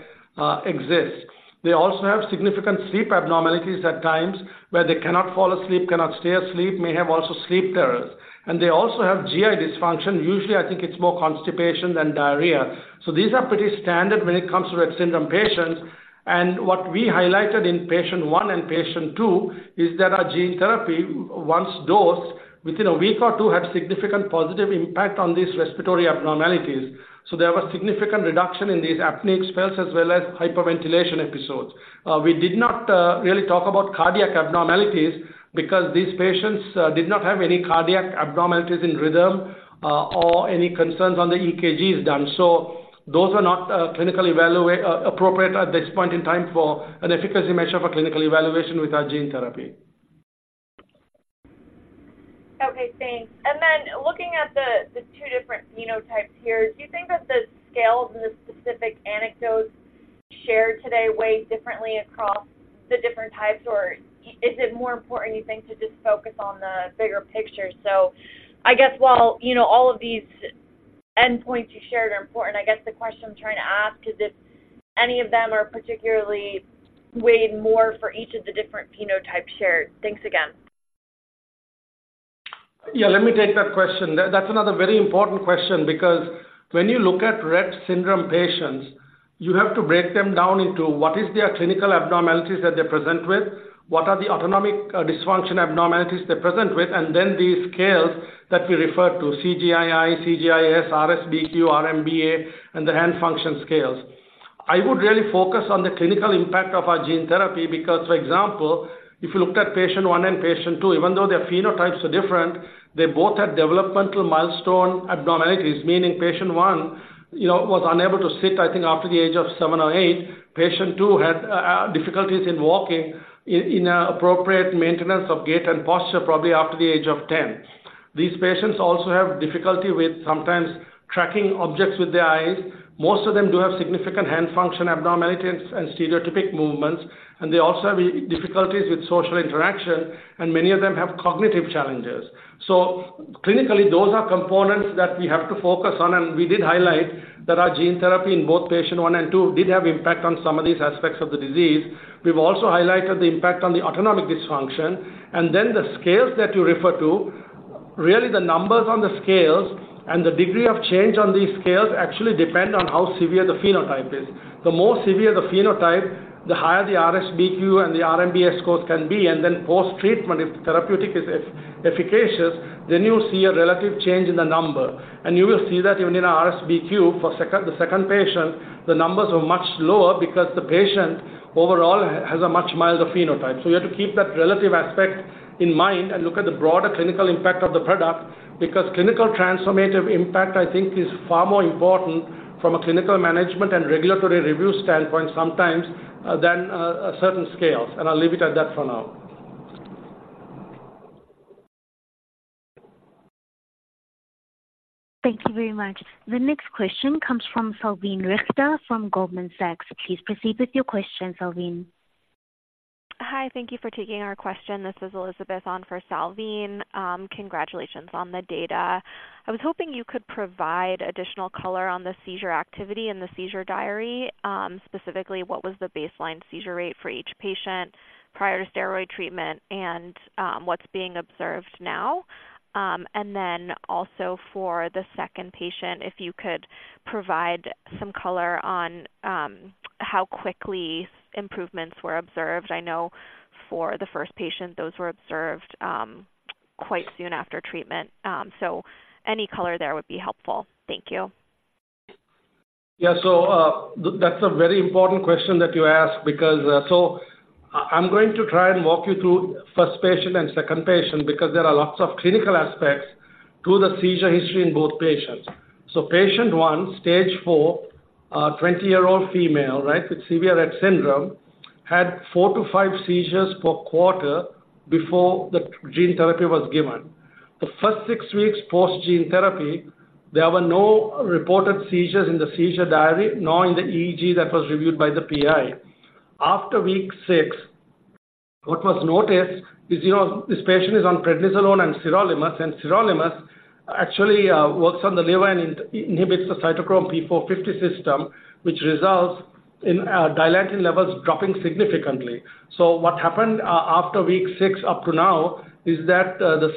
exists. They also have significant sleep abnormalities at times where they cannot fall asleep, cannot stay asleep, may have also sleep terrors. And they also have GI dysfunction. Usually, I think it's more constipation than diarrhea. So these are pretty standard when it comes to Rett syndrome patients. And what we highlighted in patient one and patient two is that our gene therapy, once dosed, within a week or two, had significant positive impact on these respiratory abnormalities. So there was significant reduction in these apneic spells as well as hyperventilation episodes. We did not really talk about cardiac abnormalities because these patients did not have any cardiac abnormalities in rhythm or any concerns on the EKGs done. So those are not clinically appropriate at this point in time for an efficacy measure for clinical evaluation with our gene therapy. Okay, thanks. And then looking at the two different phenotypes here, do you think that the scales and the specific anecdotes shared today weigh differently across the different types, or is it more important, you think, to just focus on the bigger picture? So I guess while, you know, all of these endpoints you shared are important, I guess the question I'm trying to ask is if any of them are particularly weighed more for each of the different phenotypes shared. Thanks again. Yeah, let me take that question. That, that's another very important question because when you look at Rett syndrome patients, you have to break them down into what is their clinical abnormalities that they present with, what are the autonomic dysfunction abnormalities they present with, and then these scales that we refer to, CGI-I, CGI-S, RSBQ, RMBA, and the hand function scales. I would really focus on the clinical impact of our gene therapy, because, for example, if you looked at patient one and patient two, even though their phenotypes are different, they both had developmental milestone abnormalities, meaning patient one, you know, was unable to sit, I think, after the age of seven or eight. Patient two had difficulties in walking, in appropriate maintenance of gait and posture, probably after the age of ten. These patients also have difficulty with sometimes tracking objects with their eyes. Most of them do have significant hand function abnormalities and stereotypic movements, and they also have difficulties with social interaction, and many of them have cognitive challenges. So clinically, those are components that we have to focus on, and we did highlight that our gene therapy in both patient one and two did have impact on some of these aspects of the disease. We've also highlighted the impact on the autonomic dysfunction, and then the scales that you refer to, really the numbers on the scales and the degree of change on these scales actually depend on how severe the phenotype is. The more severe the phenotype, the higher the RSBQ and the RMBA scores can be, and then post-treatment, if the therapeutic is efficacious, then you see a relative change in the number. You will see that even in RSBQ for second, the second patient, the numbers are much lower because the patient overall has a much milder phenotype. So you have to keep that relative aspect in mind and look at the broader clinical impact of the product, because clinical transformative impact, I think, is far more important from a clinical management and regulatory review standpoint sometimes than a certain scale. I'll leave it at that for now. Thank you very much. The next question comes from Salveen Richter from Goldman Sachs. Please proceed with your question, Salvine. Hi, thank you for taking our question. This is Elizabeth on for Salvine. Congratulations on the data. I was hoping you could provide additional color on the seizure activity in the seizure diary. Specifically, what was the baseline seizure rate for each patient prior to steroid treatment and, what's being observed now? And then also for the second patient, if you could provide some color on, how quickly improvements were observed. I know for the first patient, those were observed, quite soon after treatment. So any color there would be helpful. Thank you. Yeah. So, that's a very important question that you asked because... So I, I'm going to try and walk you through first patient and second patient because there are lots of clinical aspects to the seizure history in both patients. So patient one, stage 4, 20-year-old female, right, with severe Rett syndrome, had 4-5 seizures per quarter before the gene therapy was given. The first 6 weeks post gene therapy, there were no reported seizures in the seizure diary, nor in the EEG that was reviewed by the PI. After week 6... What was noticed is, you know, this patient is on prednisolone and sirolimus, and sirolimus actually works on the liver and inhibits the cytochrome P450 system, which results in Dilantin levels dropping significantly. So what happened after week six up to now is that the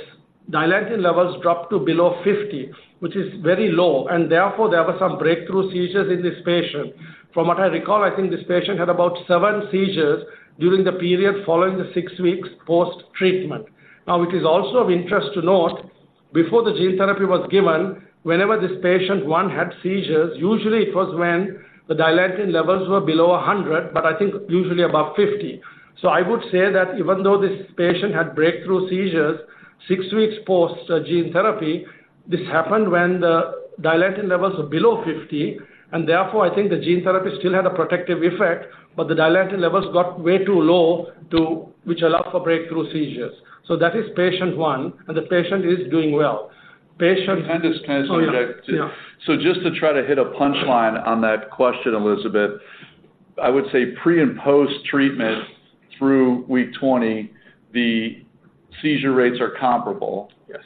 Dilantin levels dropped to below 50, which is very low, and therefore there were some breakthrough seizures in this patient. From what I recall, I think this patient had about seven seizures during the period following the six weeks post-treatment. Now, it is also of interest to note, before the gene therapy was given, whenever this patient one had seizures, usually it was when the Dilantin levels were below a 100, but I think usually above 50. So I would say that even though this patient had breakthrough seizures six weeks post gene therapy, this happened when the Dilantin levels were below 50. And therefore, I think the gene therapy still had a protective effect, but the Dilantin levels got way too low to, which allowed for breakthrough seizures. So that is patient one, and the patient is doing well. Patient- And this patient- Oh, yeah. Just to try to hit a punch line on that question, Elizabeth, I would say pre- and post-treatment through week 20, the seizure rates are comparable. Yes.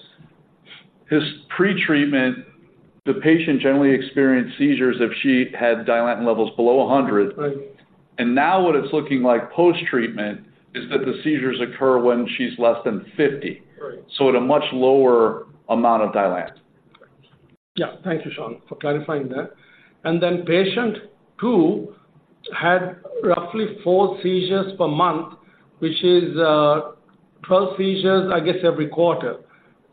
His pre-treatment, the patient generally experienced seizures if she had Dilantin levels below 100. Right. Now what it's looking like post-treatment is that the seizures occur when she's less than 50. Right. At a much lower amount of Dilantin. Yeah. Thank you, Sean, for clarifying that. Then patient 2 had roughly four seizures per month, which is 12 seizures, I guess, every quarter.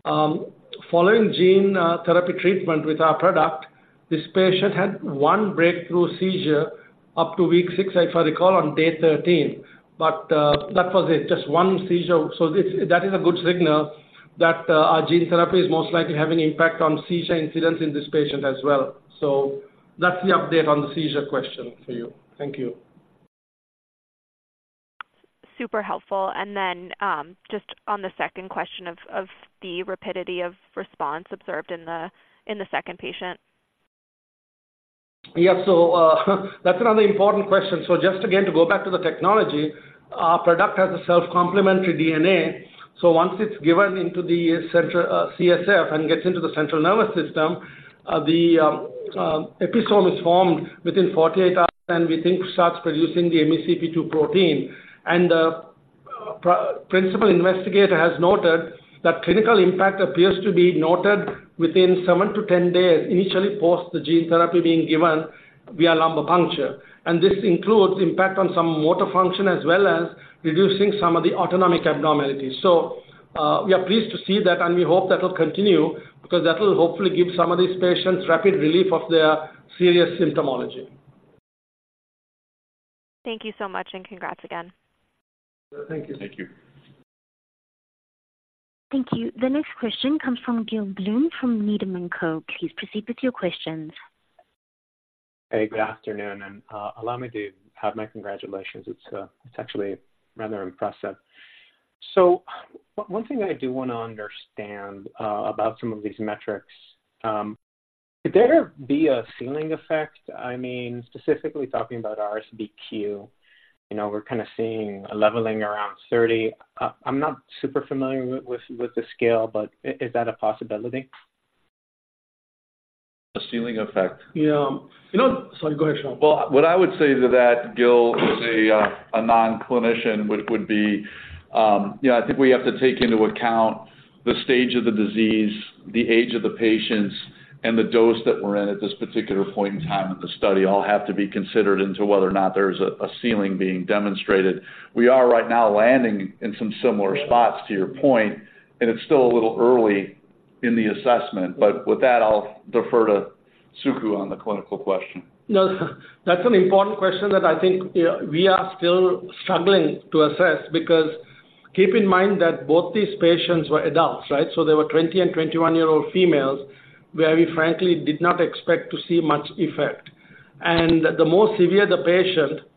Following gene therapy treatment with our product, this patient had one breakthrough seizure up to week 6, if I recall, on day 13, but that was it, just one seizure. So this, that is a good signal that our gene therapy is most likely having an impact on seizure incidents in this patient as well. So that's the update on the seizure question for you. Thank you. Super helpful. Then, just on the second question of the rapidity of response observed in the second patient. Yeah. So, that's another important question. So just again, to go back to the technology, our product has a self-complementary DNA. So once it's given into the central CSF and gets into the central nervous system, the episome is formed within 48 hours, and we think starts producing the MeCP2 protein. And the principal investigator has noted that clinical impact appears to be noted within 7-10 days, initially, post the gene therapy being given via lumbar puncture. And this includes impact on some motor function as well as reducing some of the autonomic abnormalities. So, we are pleased to see that, and we hope that will continue because that will hopefully give some of these patients rapid relief of their serious symptomology. Thank you so much, and congrats again. Thank you. Thank you. Thank you. The next question comes from Gil Blum, from Needham and Co. Please proceed with your questions. Hey, good afternoon, and allow me to have my congratulations. It's actually rather impressive. So one thing I do want to understand about some of these metrics, could there be a ceiling effect? I mean, specifically talking about RSBQ, you know, we're kind of seeing a leveling around 30. I'm not super familiar with the scale, but is that a possibility? A ceiling effect? Yeah. You know... Sorry, go ahead, Sean. Well, what I would say to that, Gil, as a non-clinician, would be, you know, I think we have to take into account the stage of the disease, the age of the patients, and the dose that we're in at this particular point in time of the study, all have to be considered into whether or not there's a ceiling being demonstrated. We are right now landing in some similar spots, to your point, and it's still a little early in the assessment. But with that, I'll defer to Suku on the clinical question. No, that's an important question that I think we are still struggling to assess, because keep in mind that both these patients were adults, right? So they were 20- and 21-year-old females, where we frankly did not expect to see much effect. The more severe the patient,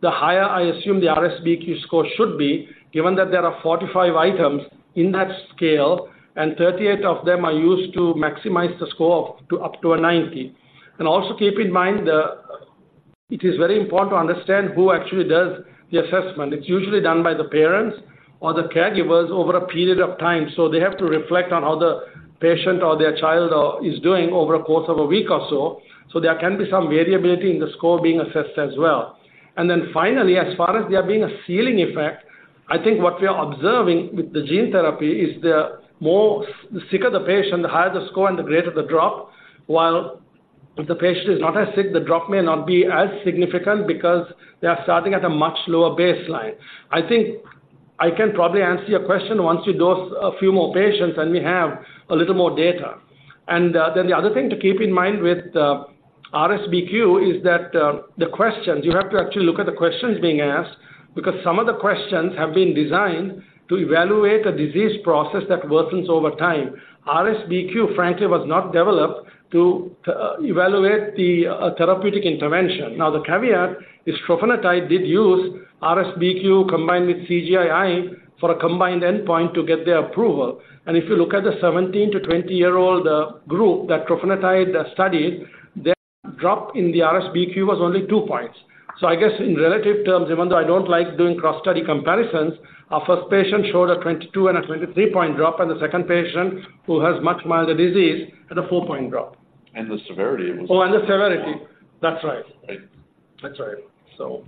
the higher I assume the RSBQ score should be, given that there are 45 items in that scale and 38 of them are used to maximize the score up to 90. Also keep in mind, it is very important to understand who actually does the assessment. It's usually done by the parents or the caregivers over a period of time. So they have to reflect on how the patient or their child is doing over a course of a week or so. So there can be some variability in the score being assessed as well. And then finally, as far as there being a ceiling effect, I think what we are observing with the gene therapy is the more, the sicker the patient, the higher the score and the greater the drop, while if the patient is not as sick, the drop may not be as significant because they are starting at a much lower baseline. I think I can probably answer your question once you dose a few more patients and we have a little more data. And, then the other thing to keep in mind with the RSBQ is that, the questions, you have to actually look at the questions being asked, because some of the questions have been designed to evaluate a disease process that worsens over time. RSBQ, frankly, was not developed to evaluate the therapeutic intervention. Now, the caveat is trofinetide did use RSBQ combined with CGI-I for a combined endpoint to get their approval. And if you look at the 17- to 20-year-old group that trofinetide studied, the drop in the RSBQ was only 2 points. So I guess in relative terms, even though I don't like doing cross-study comparisons, our first patient showed a 22- and 23-point drop, and the second patient, who has much milder disease, had a 4-point drop. The severity was- Oh, and the severity. That's right. Right. That's right. So.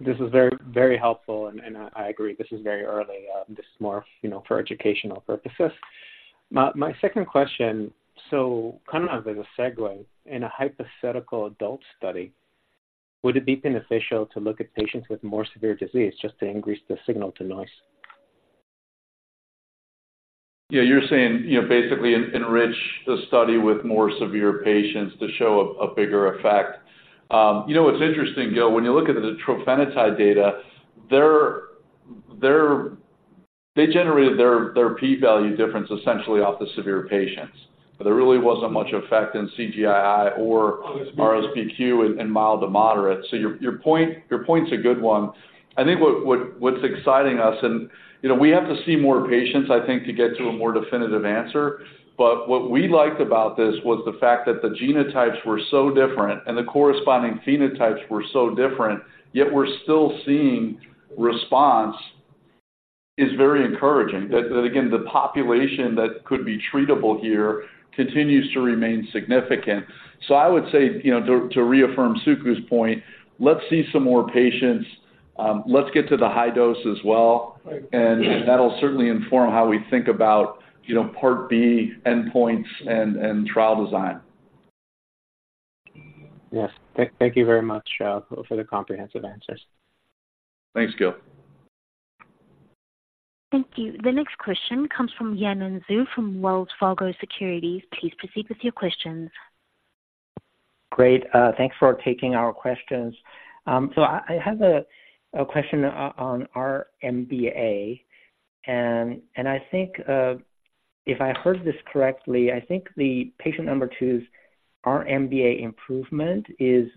This is very, very helpful, and I agree, this is very early. This is more, you know, for educational purposes. My second question, so kind of as a segue, in a hypothetical adult study, would it be beneficial to look at patients with more severe disease just to increase the signal to noise? Yeah, you're saying, you know, basically enrich the study with more severe patients to show a bigger effect. You know, it's interesting, Gil, when you look at the trofinetide data, they generated their p-value difference essentially off the severe patients. There really wasn't much effect in CGI-I or- RSBQ. RSBQ in mild to moderate. So your point's a good one. I think what's exciting us, and, you know, we have to see more patients, I think, to get to a more definitive answer. But what we liked about this was the fact that the genotypes were so different and the corresponding phenotypes were so different, yet we're still seeing response, is very encouraging. That again, the population that could be treatable here continues to remain significant. So I would say, you know, to reaffirm Suku's point, let's see some more patients. Let's get to the high dose as well. Right. That'll certainly inform how we think about, you know, Part B endpoints and trial design. Yes. Thank you very much for the comprehensive answers. Thanks, Gil. Thank you. The next question comes from Yanan Zhu from Wells Fargo Securities. Please proceed with your questions. Great. Thanks for taking our questions. So I have a question on RMBA, and I think if I heard this correctly, I think the patient number 2's RMBA improvement is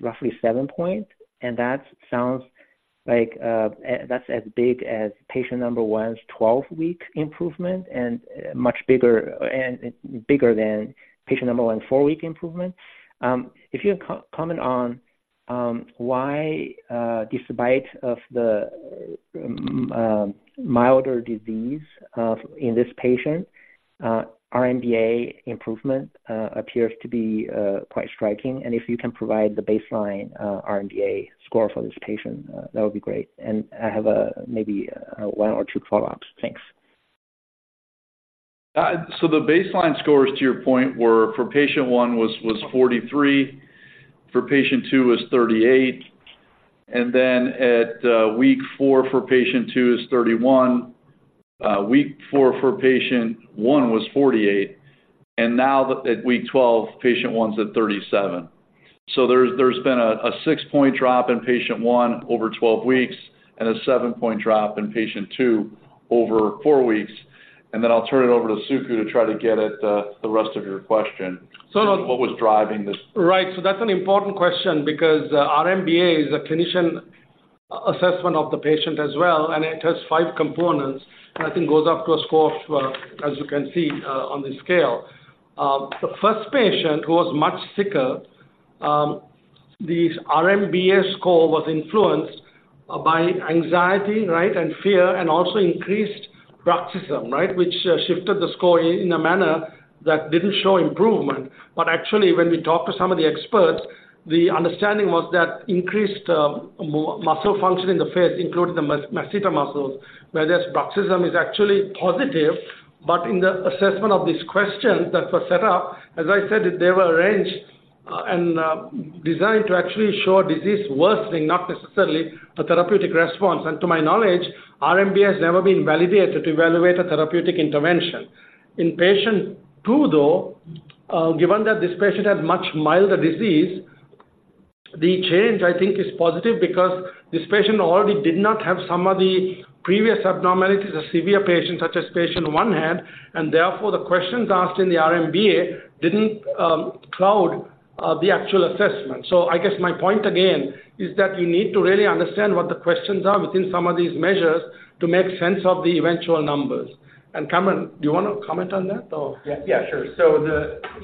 roughly 7-point, and that sounds like that's as big as patient number 1's 12-week improvement and much bigger than patient number 1's 4-week improvement. If you comment on why despite the milder disease in this patient, RMBA improvement appears to be quite striking. And if you can provide the baseline RMBA score for this patient, that would be great. And I have maybe 1 or 2 follow-ups. Thanks. So the baseline scores, to your point, were for patient one was 43, for patient two was 38, and then at week four for patient two is 31. Week four for patient one was 48, and now at week 12, patient one's at 37. So there's been a 6-point drop in patient one over 12 weeks and a seven-point drop in patient two over four weeks. And then I'll turn it over to Suku to try to get at the rest of your question. So- What was driving this? Right. So that's an important question because our RMBA is a clinician assessment of the patient as well, and it has five components, and I think goes up to a score, as you can see, on the scale. The first patient, who was much sicker, the RMBA score was influenced by anxiety, right, and fear, and also increased bruxism, right? Which shifted the score in a manner that didn't show improvement. But actually, when we talked to some of the experts, the understanding was that increased muscle function in the face, including the masseter muscles, where this bruxism is actually positive. But in the assessment of these questions that were set up, as I said, they were arranged and designed to actually show disease worsening, not necessarily a therapeutic response. To my knowledge, RMBA has never been validated to evaluate a therapeutic intervention. In patient two, though, given that this patient had much milder disease, the change, I think, is positive because this patient already did not have some of the previous abnormalities, the severe patient, such as patient one had, and therefore, the questions asked in the RMBA didn't cloud the actual assessment. So I guess my point again, is that you need to really understand what the questions are within some of these measures to make sense of the eventual numbers. And, Kamran, do you wanna comment on that or? Yeah. Yeah, sure. So,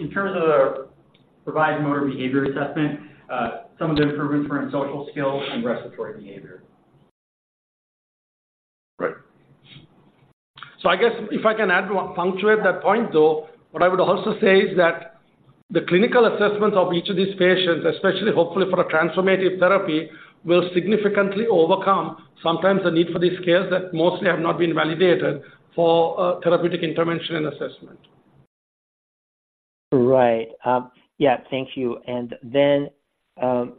in terms of the Revised Motor Behavior Assessment, some of the improvements were in social skills and respiratory behavior. Right. So I guess if I can add one... punctuate that point, though, what I would also say is that the clinical assessments of each of these patients, especially hopefully for a transformative therapy, will significantly overcome sometimes the need for these scales that mostly have not been validated for therapeutic intervention and assessment. Right. Yeah, thank you. And then, I'm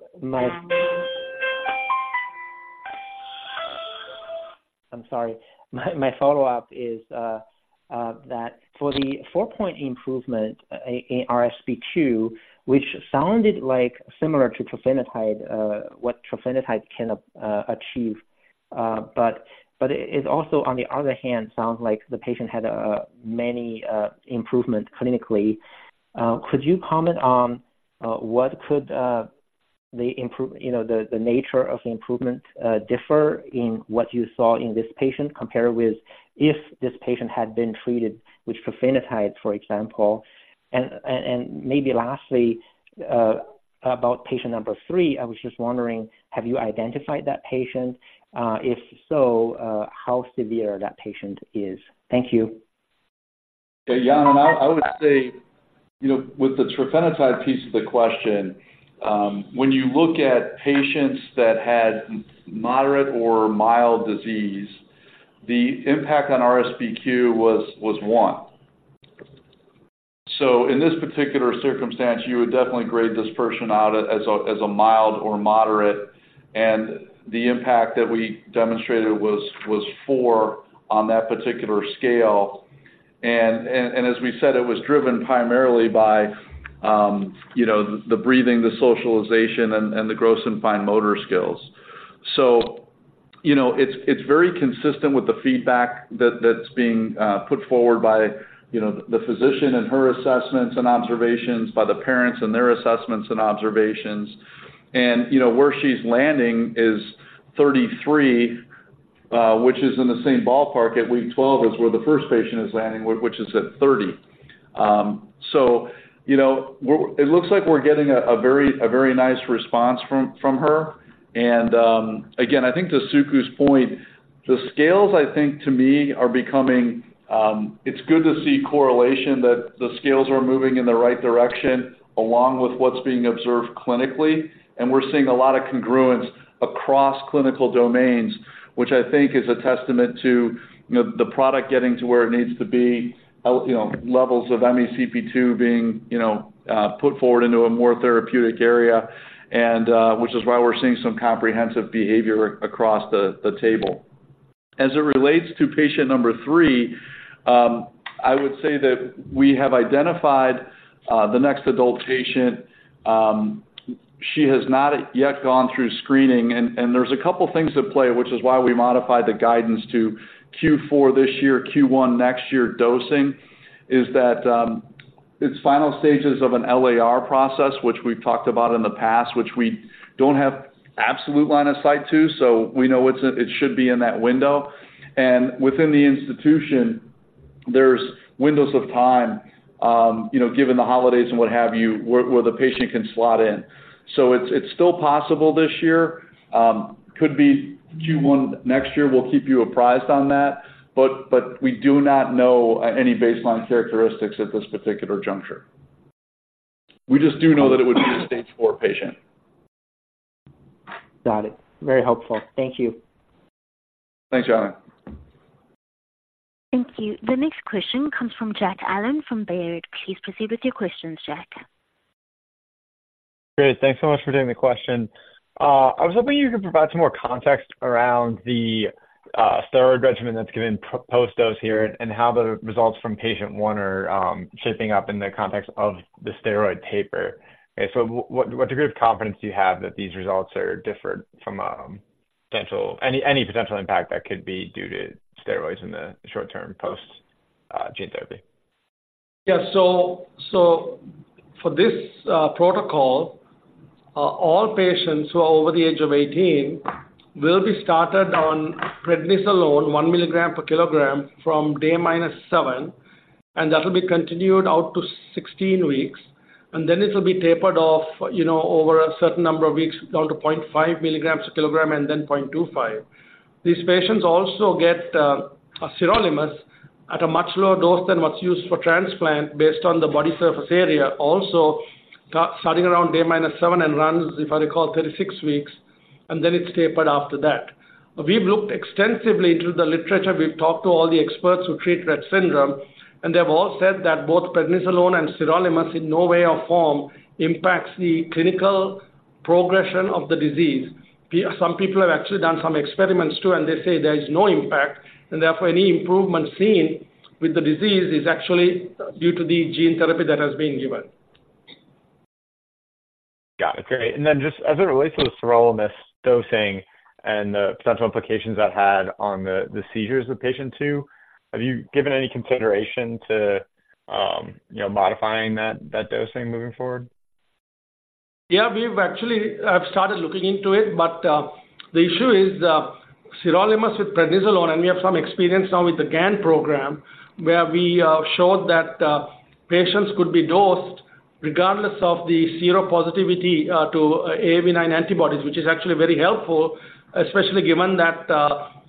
sorry. My follow-up is that for the four-point improvement in RSBQ, which sounded like similar to trofinetide, what trofinetide can achieve, but it also, on the other hand, sounds like the patient had many improvements clinically. Could you comment on what could the improve, you know, the nature of the improvement differ in what you saw in this patient, compared with if this patient had been treated with trofinetide, for example? And maybe lastly, about patient number 3, I was just wondering, have you identified that patient? If so, how severe that patient is? Thank you. Yeah, Yanan, I would say, you know, with the trofinetide piece of the question, when you look at patients that had moderate or mild disease, the impact on RSBQ was 1. So in this particular circumstance, you would definitely grade this person out as a mild or moderate, and the impact that we demonstrated was 4 on that particular scale. And as we said, it was driven primarily by, you know, the breathing, the socialization, and the gross and fine motor skills. So, you know, it's very consistent with the feedback that's being put forward by, you know, the physician and her assessments and observations, by the parents and their assessments and observations. And, you know, where she's landing is 33, which is in the same ballpark at week 12, as where the first patient is landing, which is at 30. So, you know, it looks like we're getting a very nice response from her. And, again, I think to Suku's point, the scales, I think to me, are becoming. It's good to see correlation that the scales are moving in the right direction, along with what's being observed clinically. And we're seeing a lot of congruence across clinical domains, which I think is a testament to, you know, the product getting to where it needs to be, you know, levels of MeCP2 being, you know, put forward into a more therapeutic area, and which is why we're seeing some comprehensive behavior across the table. As it relates to patient number 3, I would say that we have identified the next adult patient. She has not yet gone through screening. There's a couple things at play, which is why we modified the guidance to Q4 this year, Q1 next year dosing, is that it's final stages of an LAR process, which we've talked about in the past, which we don't have absolute line of sight to, so we know it should be in that window. And within the institution, there's windows of time, you know, given the holidays and what have you, where the patient can slot in. So it's still possible this year. Could be Q1 next year. We'll keep you apprised on that, but we do not know any baseline characteristics at this particular juncture. We just do know that it would be a stage four patient. Got it. Very helpful. Thank you. Thanks, Jan. Thank you. The next question comes from Jack Allen from Baird. Please proceed with your questions, Jack. Great. Thanks so much for taking the question. I was hoping you could provide some more context around the steroid regimen that's given post-dose here, and how the results from patient one are shaping up in the context of the steroid taper. Okay, so what degree of confidence do you have that these results are different from potential... Any potential impact that could be due to steroids in the short term post gene therapy? Yeah. So for this protocol, all patients who are over the age of 18 will be started on prednisolone, 1 milligram per kilogram from day minus seven, and that will be continued out to 16 weeks, and then it will be tapered off, you know, over a certain number of weeks, down to 0.5 milligrams per kilogram and then 0.25. These patients also get sirolimus at a much lower dose than what's used for transplant based on the body surface area. Also, starting around day minus seven and runs, if I recall, 36 weeks, and then it's tapered after that. We've looked extensively into the literature. We've talked to all the experts who treat Rett syndrome, and they've all said that both prednisolone and sirolimus in no way or form impacts the clinical progression of the disease. Some people have actually done some experiments, too, and they say there is no impact, and therefore, any improvement seen with the disease is actually due to the gene therapy that has been given. Got it. Great. Then just as it relates to the sirolimus dosing and the potential implications that had on the, the seizures of patient 2, have you given any consideration to, you know, modifying that, that dosing moving forward? Yeah, we've actually started looking into it, but the issue is sirolimus with prednisolone, and we have some experience now with the GAN program, where we showed that patients could be dosed regardless of the seropositivity to AAV9 antibodies, which is actually very helpful, especially given that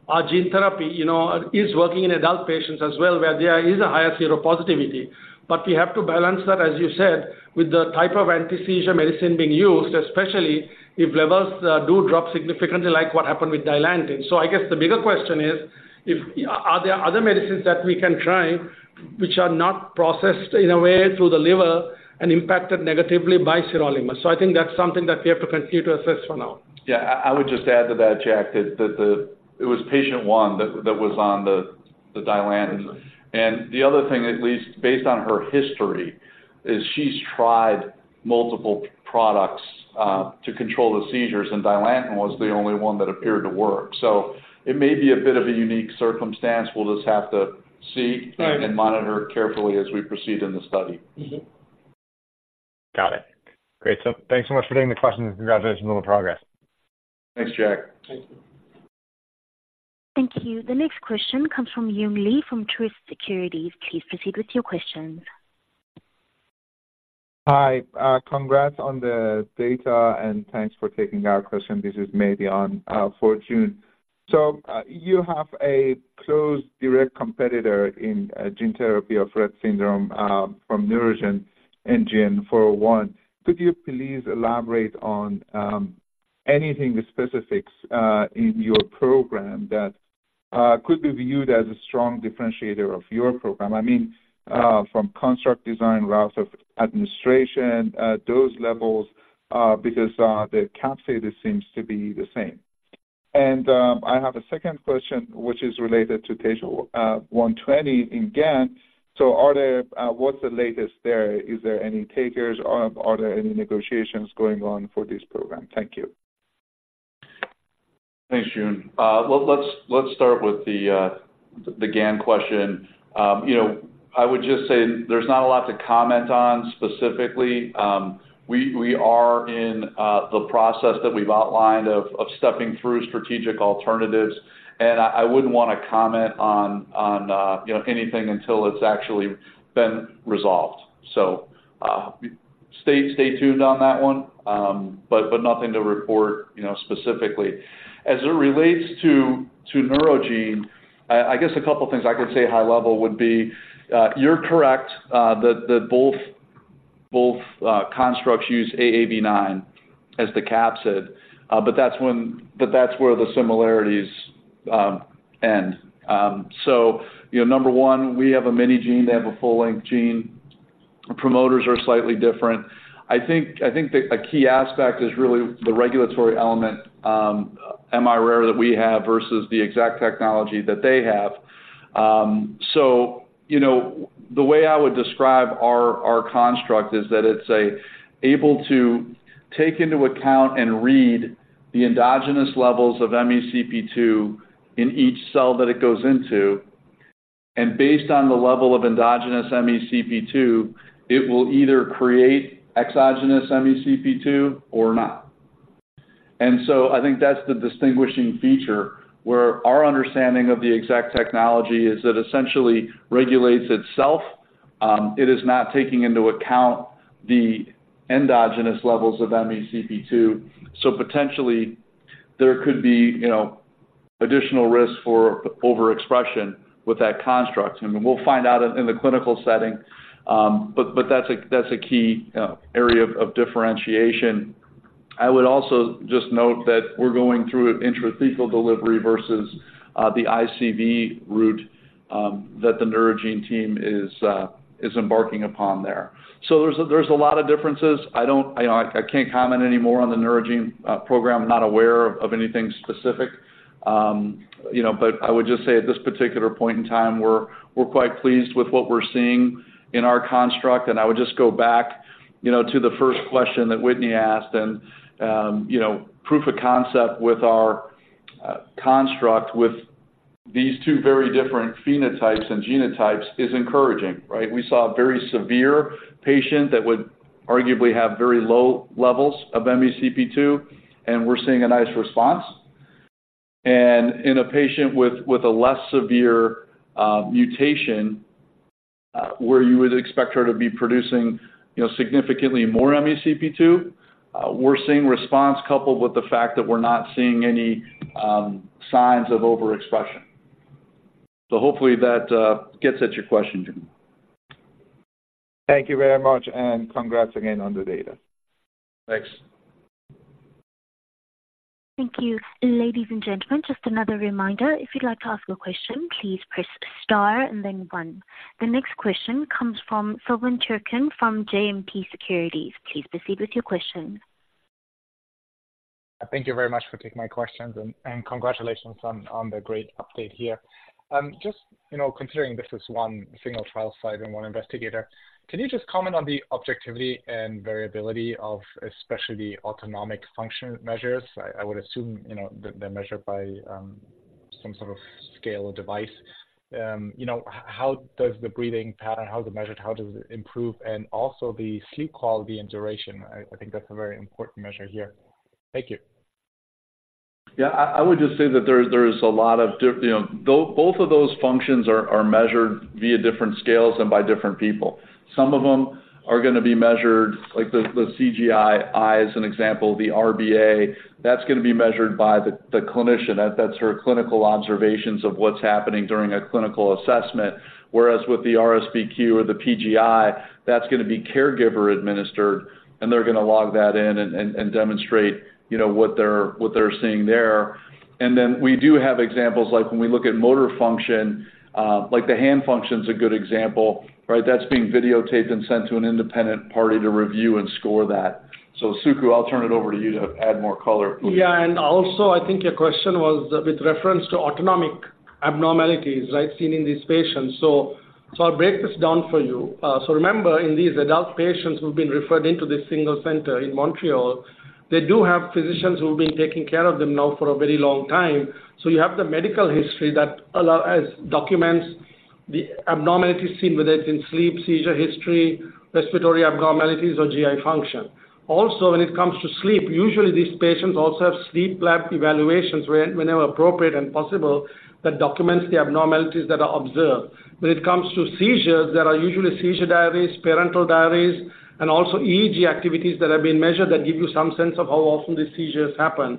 our gene therapy, you know, is working in adult patients as well, where there is a higher seropositivity. But we have to balance that, as you said, with the type of anti-seizure medicine being used, especially if levels do drop significantly, like what happened with Dilantin. So I guess the bigger question is, are there other medicines that we can try which are not processed in a way through the liver and impacted negatively by sirolimus? So I think that's something that we have to continue to assess for now. Yeah, I would just add to that, Jack, that it was patient one that was on the Dilantin. Mm-hmm. And the other thing, at least based on her history, is she's tried multiple products to control the seizures, and Dilantin was the only one that appeared to work. So it may be a bit of a unique circumstance. We'll just have to see and monitor carefully as we proceed in the study. Mm-hmm. Got it. Great. So thanks so much for taking the question, and congratulations on the progress. Thanks, Jack. Thank you. Thank you. The next question comes from Joon Lee from Truist Securities. Please proceed with your questions. Hi. Congrats on the data, and thanks for taking our question. This is maybe one for Sean. So, you have a close direct competitor in, gene therapy of Rett syndrome, from Neurogene and NGN-401. Could you please elaborate on, anything specifics, in your program that, could be viewed as a strong differentiator of your program? I mean, from construct design, routes of administration, those levels, because, the capsid seems to be the same. And, I have a second question, which is related to TSHA-120 in GAN. So are there... what's the latest there? Is there any takers, or are there any negotiations going on for this program? Thank you. Thanks, Joon. Well, let's start with the GAN question. You know, I would just say there's not a lot to comment on specifically. We are in the process that we've outlined of stepping through strategic alternatives, and I wouldn't want to comment on, you know, anything until it's actually been resolved. So, stay tuned on that one, but nothing to report, you know, specifically. As it relates to Neurogene, I guess a couple of things I could say high level would be, you're correct, that both constructs use AAV9 as the capsid, but that's where the similarities end. So, you know, number one, we have a mini-gene, they have a full-length gene. Promoters are slightly different. I think the key aspect is really the regulatory element, miRARE, that we have versus the exact technology that they have. So, you know, the way I would describe our construct is that it's able to take into account and read the endogenous levels of MeCP2 in each cell that it goes into, and based on the level of endogenous MeCP2, it will either create exogenous MeCP2 or not. And so I think that's the distinguishing feature, where our understanding of the exact technology is it essentially regulates itself. It is not taking into account the endogenous levels of MeCP2, so potentially there could be, you know, additional risk for overexpression with that construct. And we'll find out in the clinical setting, but that's a key area of differentiation. I would also just note that we're going through an intrathecal delivery versus the ICV route that the Neurogene team is embarking upon there. So there's a lot of differences. I don't... You know, I can't comment any more on the Neurogene program. I'm not aware of anything specific. You know, but I would just say, at this particular point in time, we're quite pleased with what we're seeing in our construct, and I would just go back, you know, to the first question that Whitney asked, and you know, proof of concept with our construct with these two very different phenotypes and genotypes is encouraging, right? We saw a very severe patient that would arguably have very low levels of MeCP2, and we're seeing a nice response. In a patient with a less severe mutation, where you would expect her to be producing, you know, significantly more MeCP2, we're seeing response coupled with the fact that we're not seeing any signs of overexpression. So hopefully that gets at your question, Yoon. Thank you very much, and congrats again on the data. Thanks. Thank you. Ladies and gentlemen, just another reminder, if you'd like to ask a question, please press star and then one. The next question comes from Silvan Tuerkcan from JMP Securities. Please proceed with your question. Thank you very much for taking my questions, and, and congratulations on, on the great update here. Just, you know, considering this is one single trial site and one investigator, can you just comment on the objectivity and variability of especially the autonomic function measures? I, I would assume, you know, they're measured by some sort of scale or device. You know, how does the breathing pattern, how is it measured, how does it improve? And also the sleep quality and duration. I, I think that's a very important measure here. Thank you. Yeah, I would just say that there is a lot of difference, you know, both of those functions are measured via different scales and by different people. Some of them are gonna be measured, like the CGI-I, as an example, the RMBA, that's gonna be measured by the clinician. That's her clinical observations of what's happening during a clinical assessment. Whereas with the RSBQ or the PGI, that's gonna be caregiver administered, and they're gonna log that in and demonstrate, you know, what they're seeing there. And then we do have examples, like when we look at motor function, like the hand function's a good example, right? That's being videotaped and sent to an independent party to review and score that. So, Suku, I'll turn it over to you to add more color, please. Yeah, and also, I think your question was with reference to autonomic abnormalities, right? Seen in these patients. So-... So I'll break this down for you. So remember, in these adult patients who've been referred into this single center in Montreal, they do have physicians who have been taking care of them now for a very long time. So you have the medical history that allow documents the abnormalities seen with it in sleep, seizure history, respiratory abnormalities, or GI function. Also, when it comes to sleep, usually these patients also have sleep lab evaluations whenever appropriate and possible, that documents the abnormalities that are observed. When it comes to seizures, there are usually seizure diaries, parental diaries, and also EEG activities that have been measured that give you some sense of how often these seizures happen.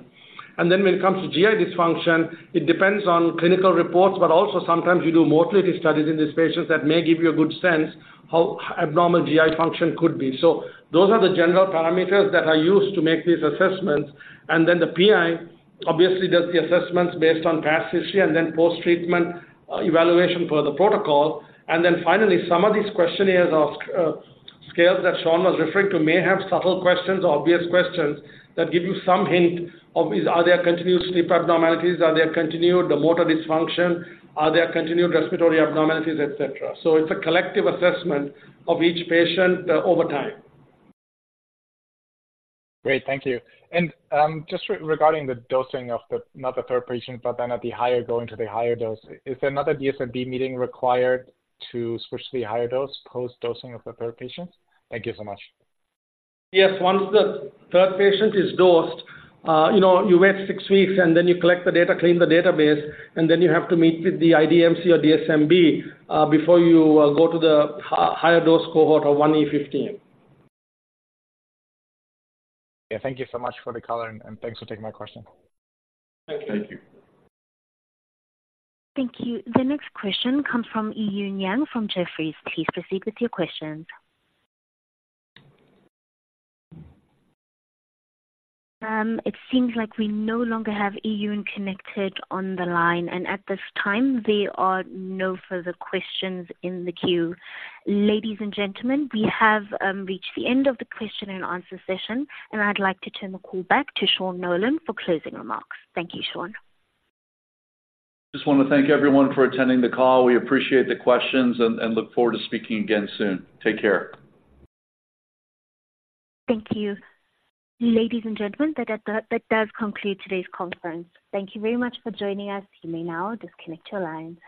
And then when it comes to GI dysfunction, it depends on clinical reports, but also sometimes you do motility studies in these patients that may give you a good sense how abnormal GI function could be. So those are the general parameters that are used to make these assessments, and then the PI obviously does the assessments based on past history and then post-treatment, evaluation per the protocol. And then finally, some of these questionnaires or, scales that Sean was referring to may have subtle questions or obvious questions that give you some hint of is, are there continued sleep abnormalities? Are there continued motor dysfunction? Are there continued respiratory abnormalities, et cetera. So it's a collective assessment of each patient, over time. Great, thank you. And, just regarding the dosing of the, not the third patient, but then at the higher, going to the higher dose, is another DSMB meeting required to switch the higher dose, post-dosing of the third patient? Thank you so much. Yes. Once the third patient is dosed, you know, you wait six weeks, and then you collect the data, clean the database, and then you have to meet with the IDMC or DSMB before you go to the higher dose cohort of 1E15. Yeah. Thank you so much for the color, and, and thanks for taking my question. Thank you. Thank you. The next question comes from Eun Yang from Jefferies. Please proceed with your questions. It seems like we no longer have Eun connected on the line, and at this time there are no further questions in the queue. Ladies and gentlemen, we have reached the end of the question and answer session, and I'd like to turn the call back to Sean Nolan for closing remarks. Thank you, Sean. Just want to thank everyone for attending the call. We appreciate the questions and look forward to speaking again soon. Take care. Thank you. Ladies and gentlemen, that does, that does conclude today's conference. Thank you very much for joining us. You may now disconnect your line.